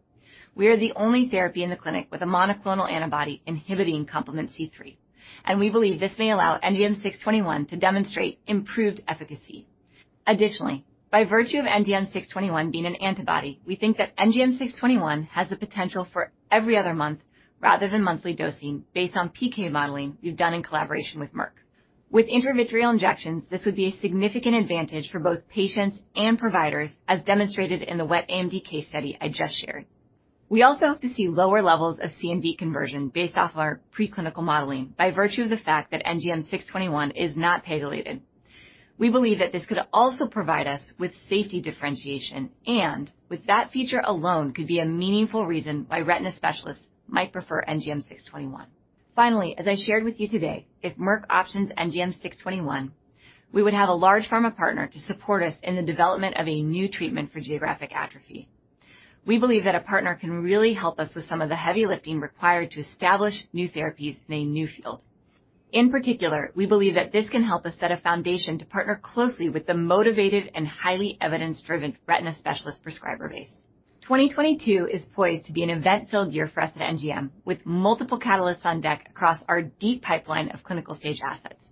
We are the only therapy in the clinic with a monoclonal antibody inhibiting complement C3, and we believe this may allow NGM621 to demonstrate improved efficacy. Additionally, by virtue of NGM621 being an antibody, we think that NGM621 has the potential for every other month rather than monthly dosing based on PK modeling we've done in collaboration with Merck. With intravitreal injections, this would be a significant advantage for both patients and providers, as demonstrated in the wet AMD case study I just shared. We also hope to see lower levels of CNV conversion based off our preclinical modeling by virtue of the fact that NGM621 is not pegylated. We believe that this could also provide us with safety differentiation, and with that feature alone could be a meaningful reason why retina specialists might prefer NGM621. Finally, as I shared with you today, if Merck options NGM621, we would have a large pharma partner to support us in the development of a new treatment for geographic atrophy. We believe that a partner can really help us with some of the heavy lifting required to establish new therapies in a new field. In particular, we believe that this can help us set a foundation to partner closely with the motivated and highly evidence-driven retina specialist prescriber base. 2022 is poised to be an event-filled year for us at NGM, with multiple catalysts on deck across our deep pipeline of clinical stage assets.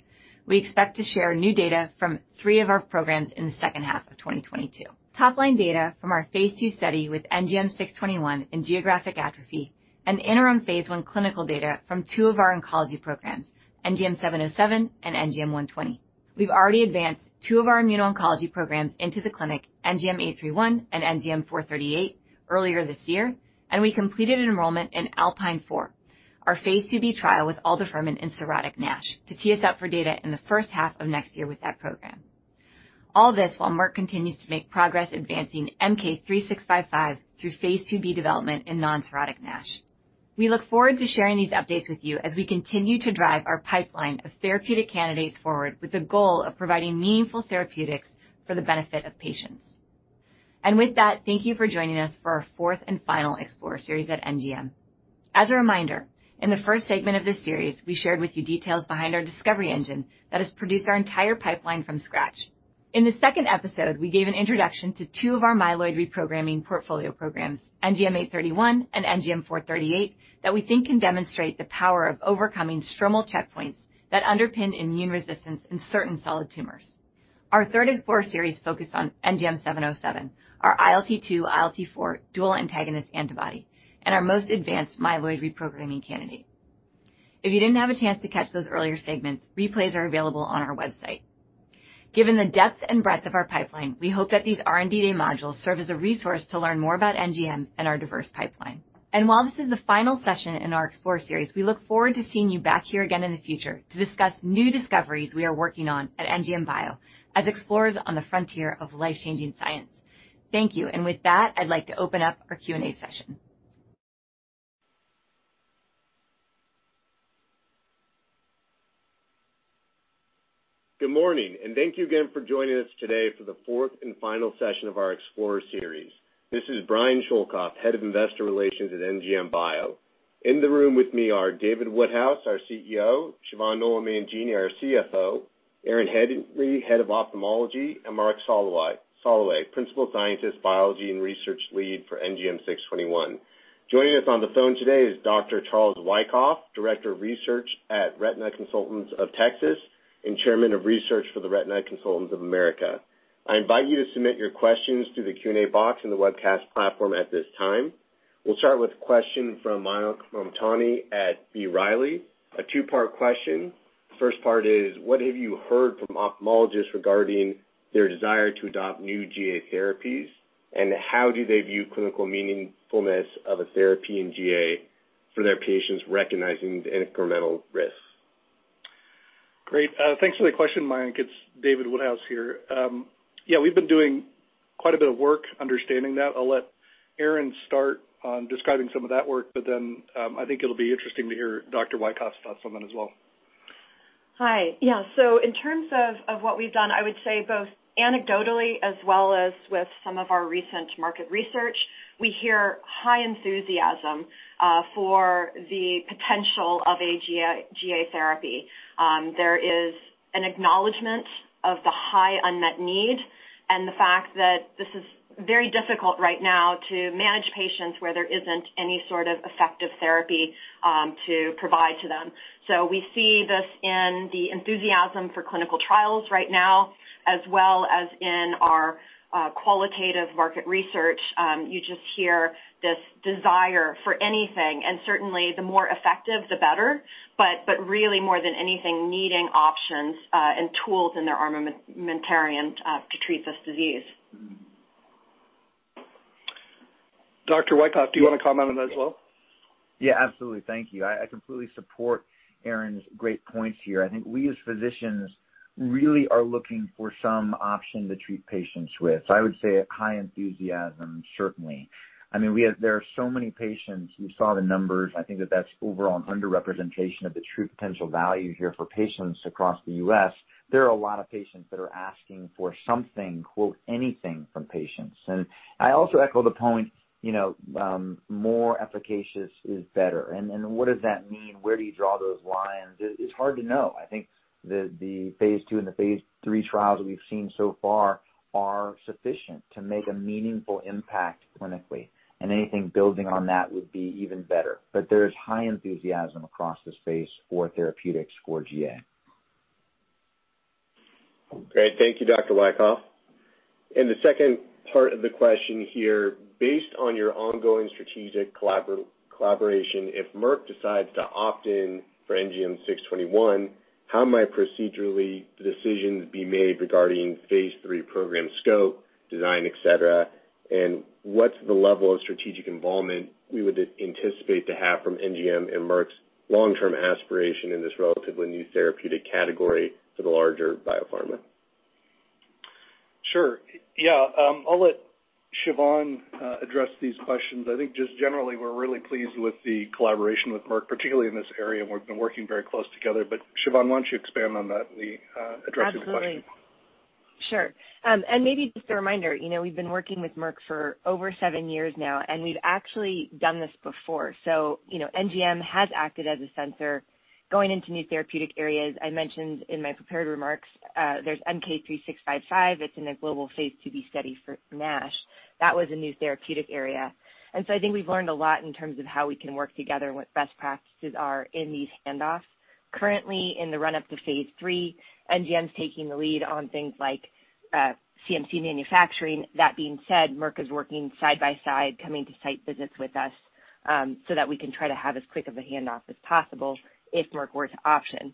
We expect to share new data from three of our programs in the second half of 2022. Top-line data from our phase II study with NGM621 in geographic atrophy and interim phase I clinical data from two of our oncology programs, NGM707 and NGM120. We've already advanced two of our immuno-oncology programs into the clinic, NGM831 and NGM438, earlier this year, and we completed enrollment in Alpine 4, our phase II-B trial with aldafermin in cirrhotic NASH to tee us up for data in the first half of next year with that program. All this while Merck continues to make progress advancing MK-3655 through phase II-B development in non-cirrhotic NASH. We look forward to sharing these updates with you as we continue to drive our pipeline of therapeutic candidates forward with the goal of providing meaningful therapeutics for the benefit of patients. With that, thank you for joining us for our fourth and final Explorer Series at NGM. As a reminder, in the first segment of this series, we shared with you details behind our discovery engine that has produced our entire pipeline from scratch. In the second episode, we gave an introduction to two of our myeloid reprogramming portfolio programs, NGM831 and NGM438, that we think can demonstrate the power of overcoming stromal checkpoints that underpin immune resistance in certain solid tumors. Our third Explorer Series focused on NGM707, our ILT2 ILT4 dual antagonist antibody, and our most advanced myeloid reprogramming candidate. If you didn't have a chance to catch those earlier segments, replays are available on our website. Given the depth and breadth of our pipeline, we hope that these R&D Day modules serve as a resource to learn more about NGM and our diverse pipeline. While this is the final session in our Explorer Series, we look forward to seeing you back here again in the future to discuss new discoveries we are working on at NGM Bio as explorers on the frontier of life-changing science. Thank you. With that, I'd like to open up our Q&A session. Good morning, and thank you again for joining us today for the fourth and final session of our Explorer series. This is Brian Schoelkopf, Head of Investor Relations at NGM Bio. In the room with me are David Woodhouse, our CEO; Siobhan Nolan Mangini, our CFO; Erin Henry, Head of Ophthalmology; and Mark Soloway, Principal Scientist, Biology, and Research Lead for NGM621. Joining us on the phone today is Dr. Charles Wykoff, Director of Research at Retina Consultants of Texas and Chairman of Research for the Retina Consultants of America. I invite you to submit your questions through the Q&A box in the webcast platform at this time. We'll start with a question from Mayank Mamtani at B. Riley. A two-part question. First part is, what have you heard from ophthalmologists regarding their desire to adopt new GA therapies? How do they view clinical meaningfulness of a therapy in GA for their patients recognizing the incremental risks? Great. Thanks for the question, Mayank. It's David Woodhouse here. Yeah, we've been doing quite a bit of work understanding that. I'll let Erin start on describing some of that work, but then, I think it'll be interesting to hear Dr. Wykoff's thoughts on that as well. Hi. Yeah. In terms of what we've done, I would say both anecdotally as well as with some of our recent market research, we hear high enthusiasm for the potential of a GA therapy. There is an acknowledgment of the high unmet need and the fact that this is very difficult right now to manage patients where there isn't any sort of effective therapy to provide to them. We see this in the enthusiasm for clinical trials right now, as well as in our qualitative market research. You just hear this desire for anything, and certainly the more effective, the better. Really more than anything, needing options and tools in their armamentarium to treat this disease. Dr. Wykoff, do you want to comment on that as well? Yeah, absolutely. Thank you. I completely support Erin's great points here. I think we as physicians really are looking for some option to treat patients with. I would say a high enthusiasm, certainly. I mean, there are so many patients. You saw the numbers. I think that that's overall an underrepresentation of the true potential value here for patients across the U.S. There are a lot of patients that are asking for something, quote, anything for patients. I also echo the point, you know, more efficacious is better. What does that mean? Where do you draw those lines? It's hard to know. I think the phase II and the phase III trials that we've seen so far are sufficient to make a meaningful impact clinically, and anything building on that would be even better. There's high enthusiasm across the space for therapeutics for GA. Great. Thank you, Dr. Wykoff. The second part of the question here, based on your ongoing strategic collaboration, if Merck decides to opt-in for NGM621, how might procedural decisions be made regarding phase III program scope, design, et cetera? What's the level of strategic involvement we would anticipate to have from NGM and Merck's long-term aspiration in this relatively new therapeutic category for the larger biopharma? Sure. Yeah. I'll let Siobhan address these questions. I think just generally, we're really pleased with the collaboration with Merck, particularly in this area, and we've been working very close together. Siobhan, why don't you expand on that in addressing the question? Absolutely. Sure. Maybe just a reminder, you know, we've been working with Merck for over seven years now, and we've actually done this before. You know, NGM has acted as a sponsor going into new therapeutic areas. I mentioned in my prepared remarks, there's MK-3655. It's in a global phase II-B study for NASH. That was a new therapeutic area. I think we've learned a lot in terms of how we can work together and what best practices are in these handoffs. Currently, in the run-up to phase III, NGM's taking the lead on things like, CMC manufacturing. That being said, Merck is working side by side, coming to site visits with us, so that we can try to have as quick of a handoff as possible if Merck were to option.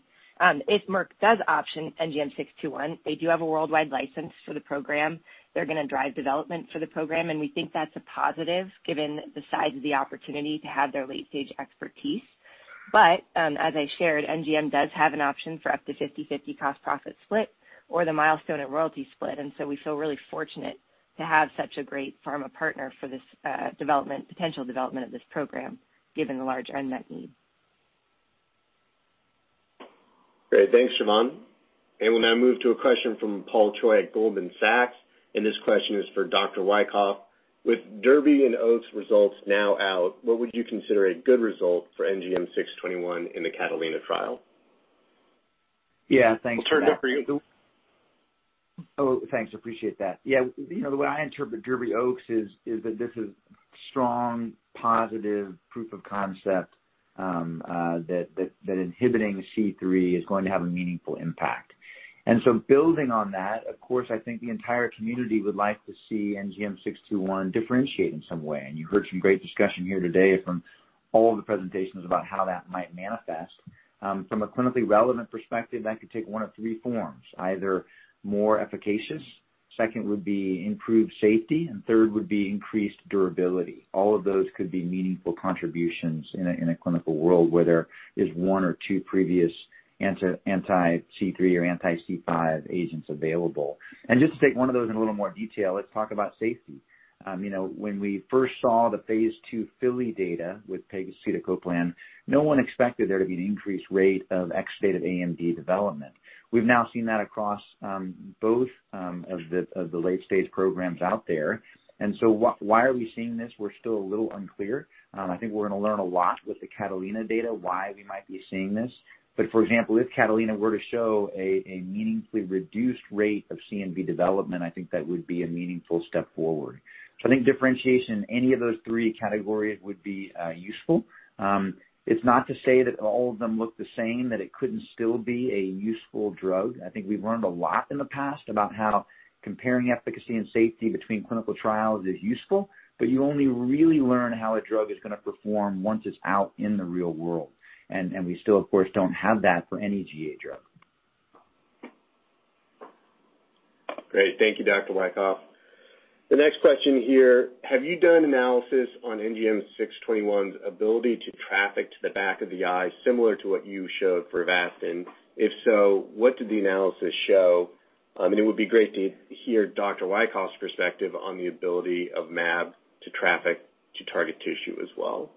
If Merck does option NGM621, they do have a worldwide license for the program. They're gonna drive development for the program, and we think that's a positive given the size of the opportunity to have their late-stage expertise. As I shared, NGM does have an option for up to 50/50 cost profit split or the milestone and royalty split. We feel really fortunate to have such a great pharma partner for this, potential development of this program, given the large unmet need. Great. Thanks, Siobhan. We'll now move to a question from Paul Choi at Goldman Sachs, and this question is for Dr. Wykoff. With DERBY and OAKS results now out, what would you consider a good result for NGM621 in the CATALINA trial? Yeah. Thanks, Brian. I'll turn it over to you. Oh, thanks. Appreciate that. Yeah. You know, the way I interpret DERBY/OAKS is that this is strong, positive proof of concept that inhibiting C3 is going to have a meaningful impact. Building on that, of course, I think the entire community would like to see NGM621 differentiate in some way. You heard some great discussion here today from all the presentations about how that might manifest. From a clinically relevant perspective, that could take one of three forms, either more efficacious, second would be improved safety, and third would be increased durability. All of those could be meaningful contributions in a clinical world where there is one or two previous anti-C3 or anti-C5 agents available. Just to take one of those in a little more detail, let's talk about safety. You know, when we first saw the phase II FILLY data with pegcetacoplan, no one expected there to be an increased rate of accelerated AMD development. We've now seen that across both of the late-stage programs out there. Why are we seeing this? We're still a little unclear. I think we're gonna learn a lot with the CATALINA data, why we might be seeing this. For example, if CATALINA were to show a meaningfully reduced rate of CNV development, I think that would be a meaningful step forward. I think differentiation in any of those three categories would be useful. It's not to say that all of them look the same, that it couldn't still be a useful drug. I think we've learned a lot in the past about how comparing efficacy and safety between clinical trials is useful, but you only really learn how a drug is gonna perform once it's out in the real world. We still, of course, don't have that for any GA drug. Great. Thank you, Dr. Wykoff. The next question here: Have you done analysis on NGM621's ability to traffic to the back of the eye similar to what you showed for Avastin? If so, what did the analysis show? It would be great to hear Dr. Wykoff's perspective on the ability of mAb to traffic to target tissue as well.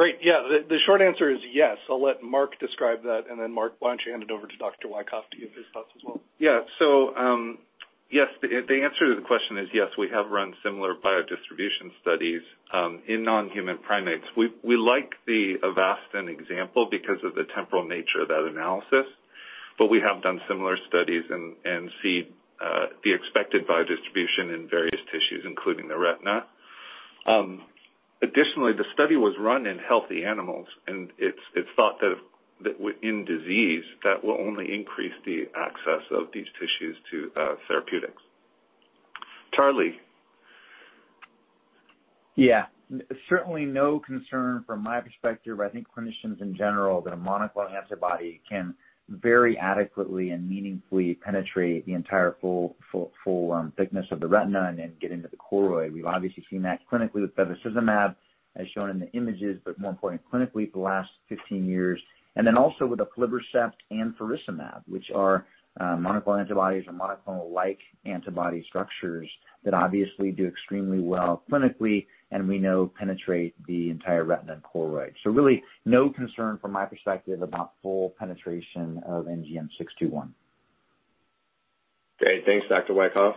Great. Yeah. The short answer is yes. I'll let Mark describe that, and then Mark, why don't you hand it over to Dr. Wykoff to give his thoughts as well? Yeah. Yes. The answer to the question is yes, we have run similar biodistribution studies in non-human primates. We like the Avastin example because of the temporal nature of that analysis. But we have done similar studies and see the expected biodistribution in various tissues, including the retina. Additionally, the study was run in healthy animals, and it's thought that in disease, that will only increase the access of these tissues to therapeutics. Charlie? Yeah. Certainly no concern from my perspective. I think clinicians in general that a monoclonal antibody can very adequately and meaningfully penetrate the entire full thickness of the retina and then get into the choroid. We've obviously seen that clinically with bevacizumab as shown in the images, but more importantly clinically for the last 15 years. Also with aflibercept and faricimab, which are monoclonal antibodies or monoclonal-like antibody structures that obviously do extremely well clinically, and we know penetrate the entire retina and choroid. Really no concern from my perspective about full penetration of NGM621. Great. Thanks, Dr. Wykoff.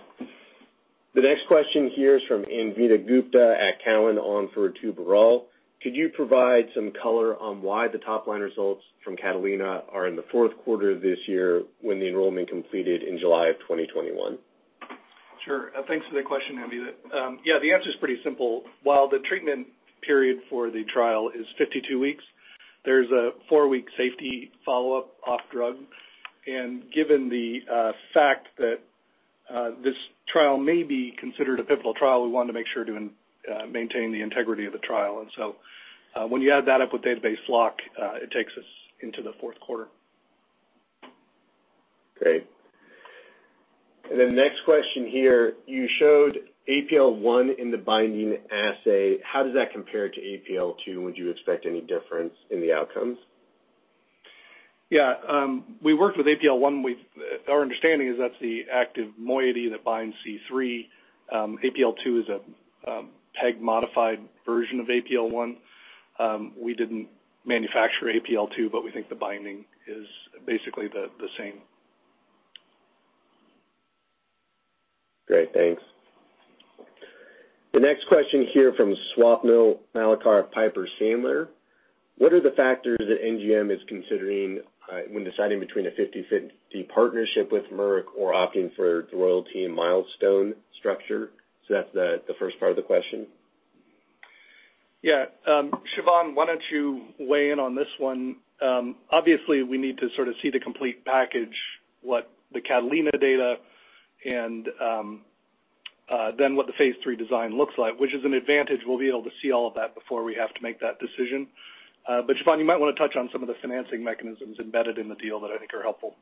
The next question here is from Anvita Gupta at Cowen on for Boris. Could you provide some color on why the top line results from CATALINA are in the fourth quarter this year when the enrollment completed in July of 2021? Sure. Thanks for the question, Anvita. The answer's pretty simple. While the treatment period for the trial is 52 weeks, there's a four-week safety follow-up off drug. Given the fact that this trial may be considered a pivotal trial, we wanted to make sure to maintain the integrity of the trial. When you add that up with database lock, it takes us into the fourth quarter. Great. Next question here. You showed APL-1 in the binding assay. How does that compare to APL-2? Would you expect any difference in the outcomes? Yeah. We worked with APL-1. We've our understanding is that's the active moiety that binds C3. APL-2 is a PEG-modified version of APL-1. We didn't manufacture APL-2, but we think the binding is basically the same. Great. Thanks. The next question here from Swapnil Malekar at Piper Sandler. What are the factors that NGM is considering when deciding between a 50/50 partnership with Merck or opting for the royalty and milestone structure? That's the first part of the question. Yeah. Siobhan, why don't you weigh in on this one? Obviously, we need to sort of see the complete package, what the CATALINA data and, then what the phase III design looks like, which is an advantage we'll be able to see all of that before we have to make that decision. Siobhan, you might wanna touch on some of the financing mechanisms embedded in the deal that I think are helpful.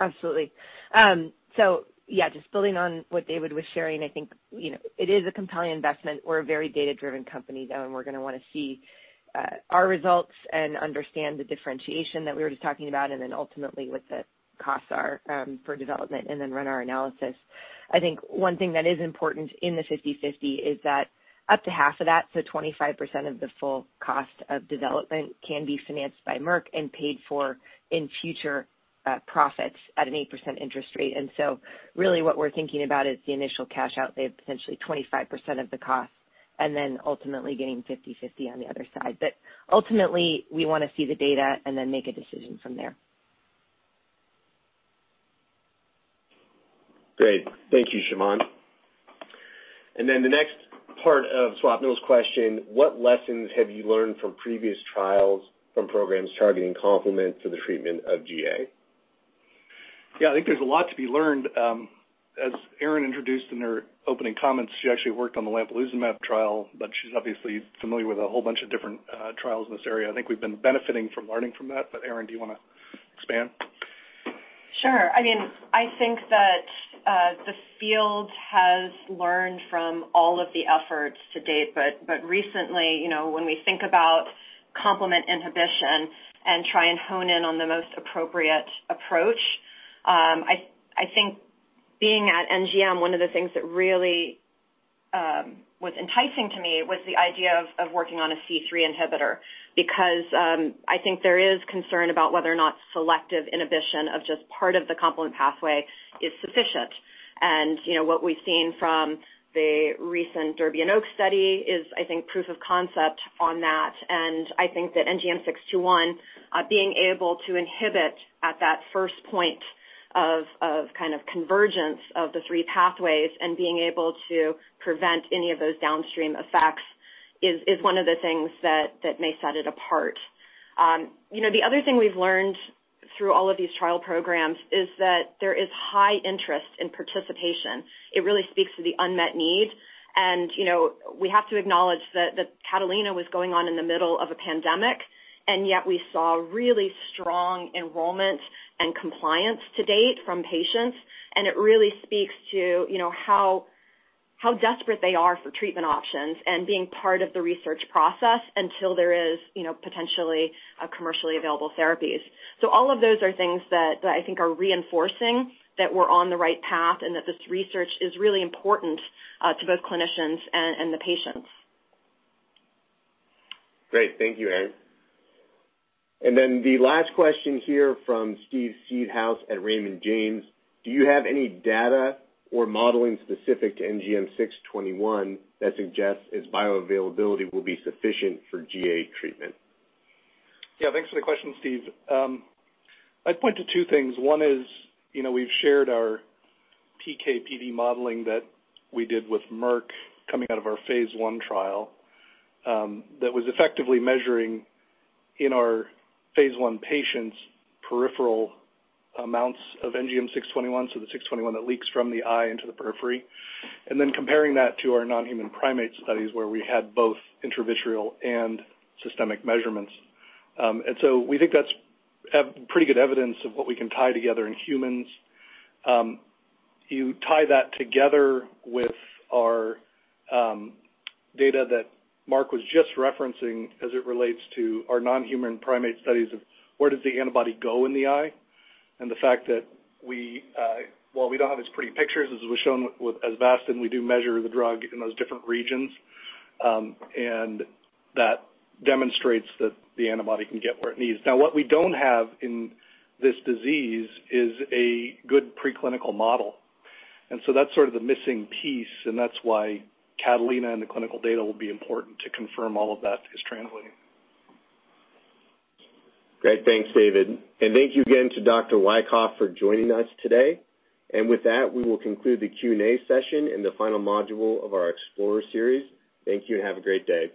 Absolutely. Yeah, just building on what David was sharing, I think, you know, it is a compelling investment. We're a very data-driven company, though, and we're gonna wanna see our results and understand the differentiation that we were just talking about, and then ultimately what the costs are for development and then run our analysis. I think one thing that is important in the 50/50 is that up to half of that, so 25% of the full cost of development can be financed by Merck and paid for in future profits at an 8% interest rate. Really what we're thinking about is the initial cash outlay of potentially 25% of the cost, and then ultimately gaining 50/50 on the other side. Ultimately, we wanna see the data and then make a decision from there. Great. Thank you, Siobhan. The next part of Swapnil's question: What lessons have you learned from previous trials from programs targeting complement to the treatment of GA? Yeah. I think there's a lot to be learned. As Erin introduced in her opening comments, she actually worked on the lampalizumab trial, but she's obviously familiar with a whole bunch of different trials in this area. I think we've been benefiting from learning from that. Erin, do you wanna expand? Sure. I mean, I think that the field has learned from all of the efforts to date, but recently, you know, when we think about complement inhibition and try and hone in on the most appropriate approach, I think being at NGM, one of the things that really was enticing to me was the idea of working on a C3 inhibitor because I think there is concern about whether or not selective inhibition of just part of the complement pathway is sufficient. You know, what we've seen from the recent DERBY and OAKS study is, I think, proof of concept on that. I think that NGM621 being able to inhibit at that first point of kind of convergence of the three pathways and being able to prevent any of those downstream effects is one of the things that may set it apart. You know, the other thing we've learned through all of these trial programs is that there is high interest in participation. It really speaks to the unmet need. You know, we have to acknowledge that CATALINA was going on in the middle of a pandemic, and yet we saw really strong enrollment and compliance to date from patients. It really speaks to you know how desperate they are for treatment options and being part of the research process until there is you know potentially commercially available therapies. All of those are things that I think are reinforcing that we're on the right path and that this research is really important to both clinicians and the patients. Great. Thank you, Erin. Then the last question here from Steve Seedhouse at Raymond James. Do you have any data or modeling specific to NGM621 that suggests its bioavailability will be sufficient for GA treatment? Yeah, thanks for the question, Steve. I'd point to two things. One is, you know, we've shared our PK/PD modeling that we did with Merck coming out of our phase I trial, that was effectively measuring in our phase I patients peripheral amounts of NGM621, so the 621 that leaks from the eye into the periphery, and then comparing that to our non-human primate studies where we had both intravitreal and systemic measurements. And so we think that's pretty good evidence of what we can tie together in humans. You tie that together with our data that Mark was just referencing as it relates to our non-human primate studies of where does the antibody go in the eye. The fact that we, while we don't have as pretty pictures as was shown with Avastin, we do measure the drug in those different regions, and that demonstrates that the antibody can get where it needs. Now, what we don't have in this disease is a good preclinical model. That's sort of the missing piece, and that's why CATALINA and the clinical data will be important to confirm all of that is translating. Great. Thanks, David. Thank you again to Dr. Wykoff for joining us today. With that, we will conclude the Q&A session in the final module of our Explorer Series. Thank you, and have a great day.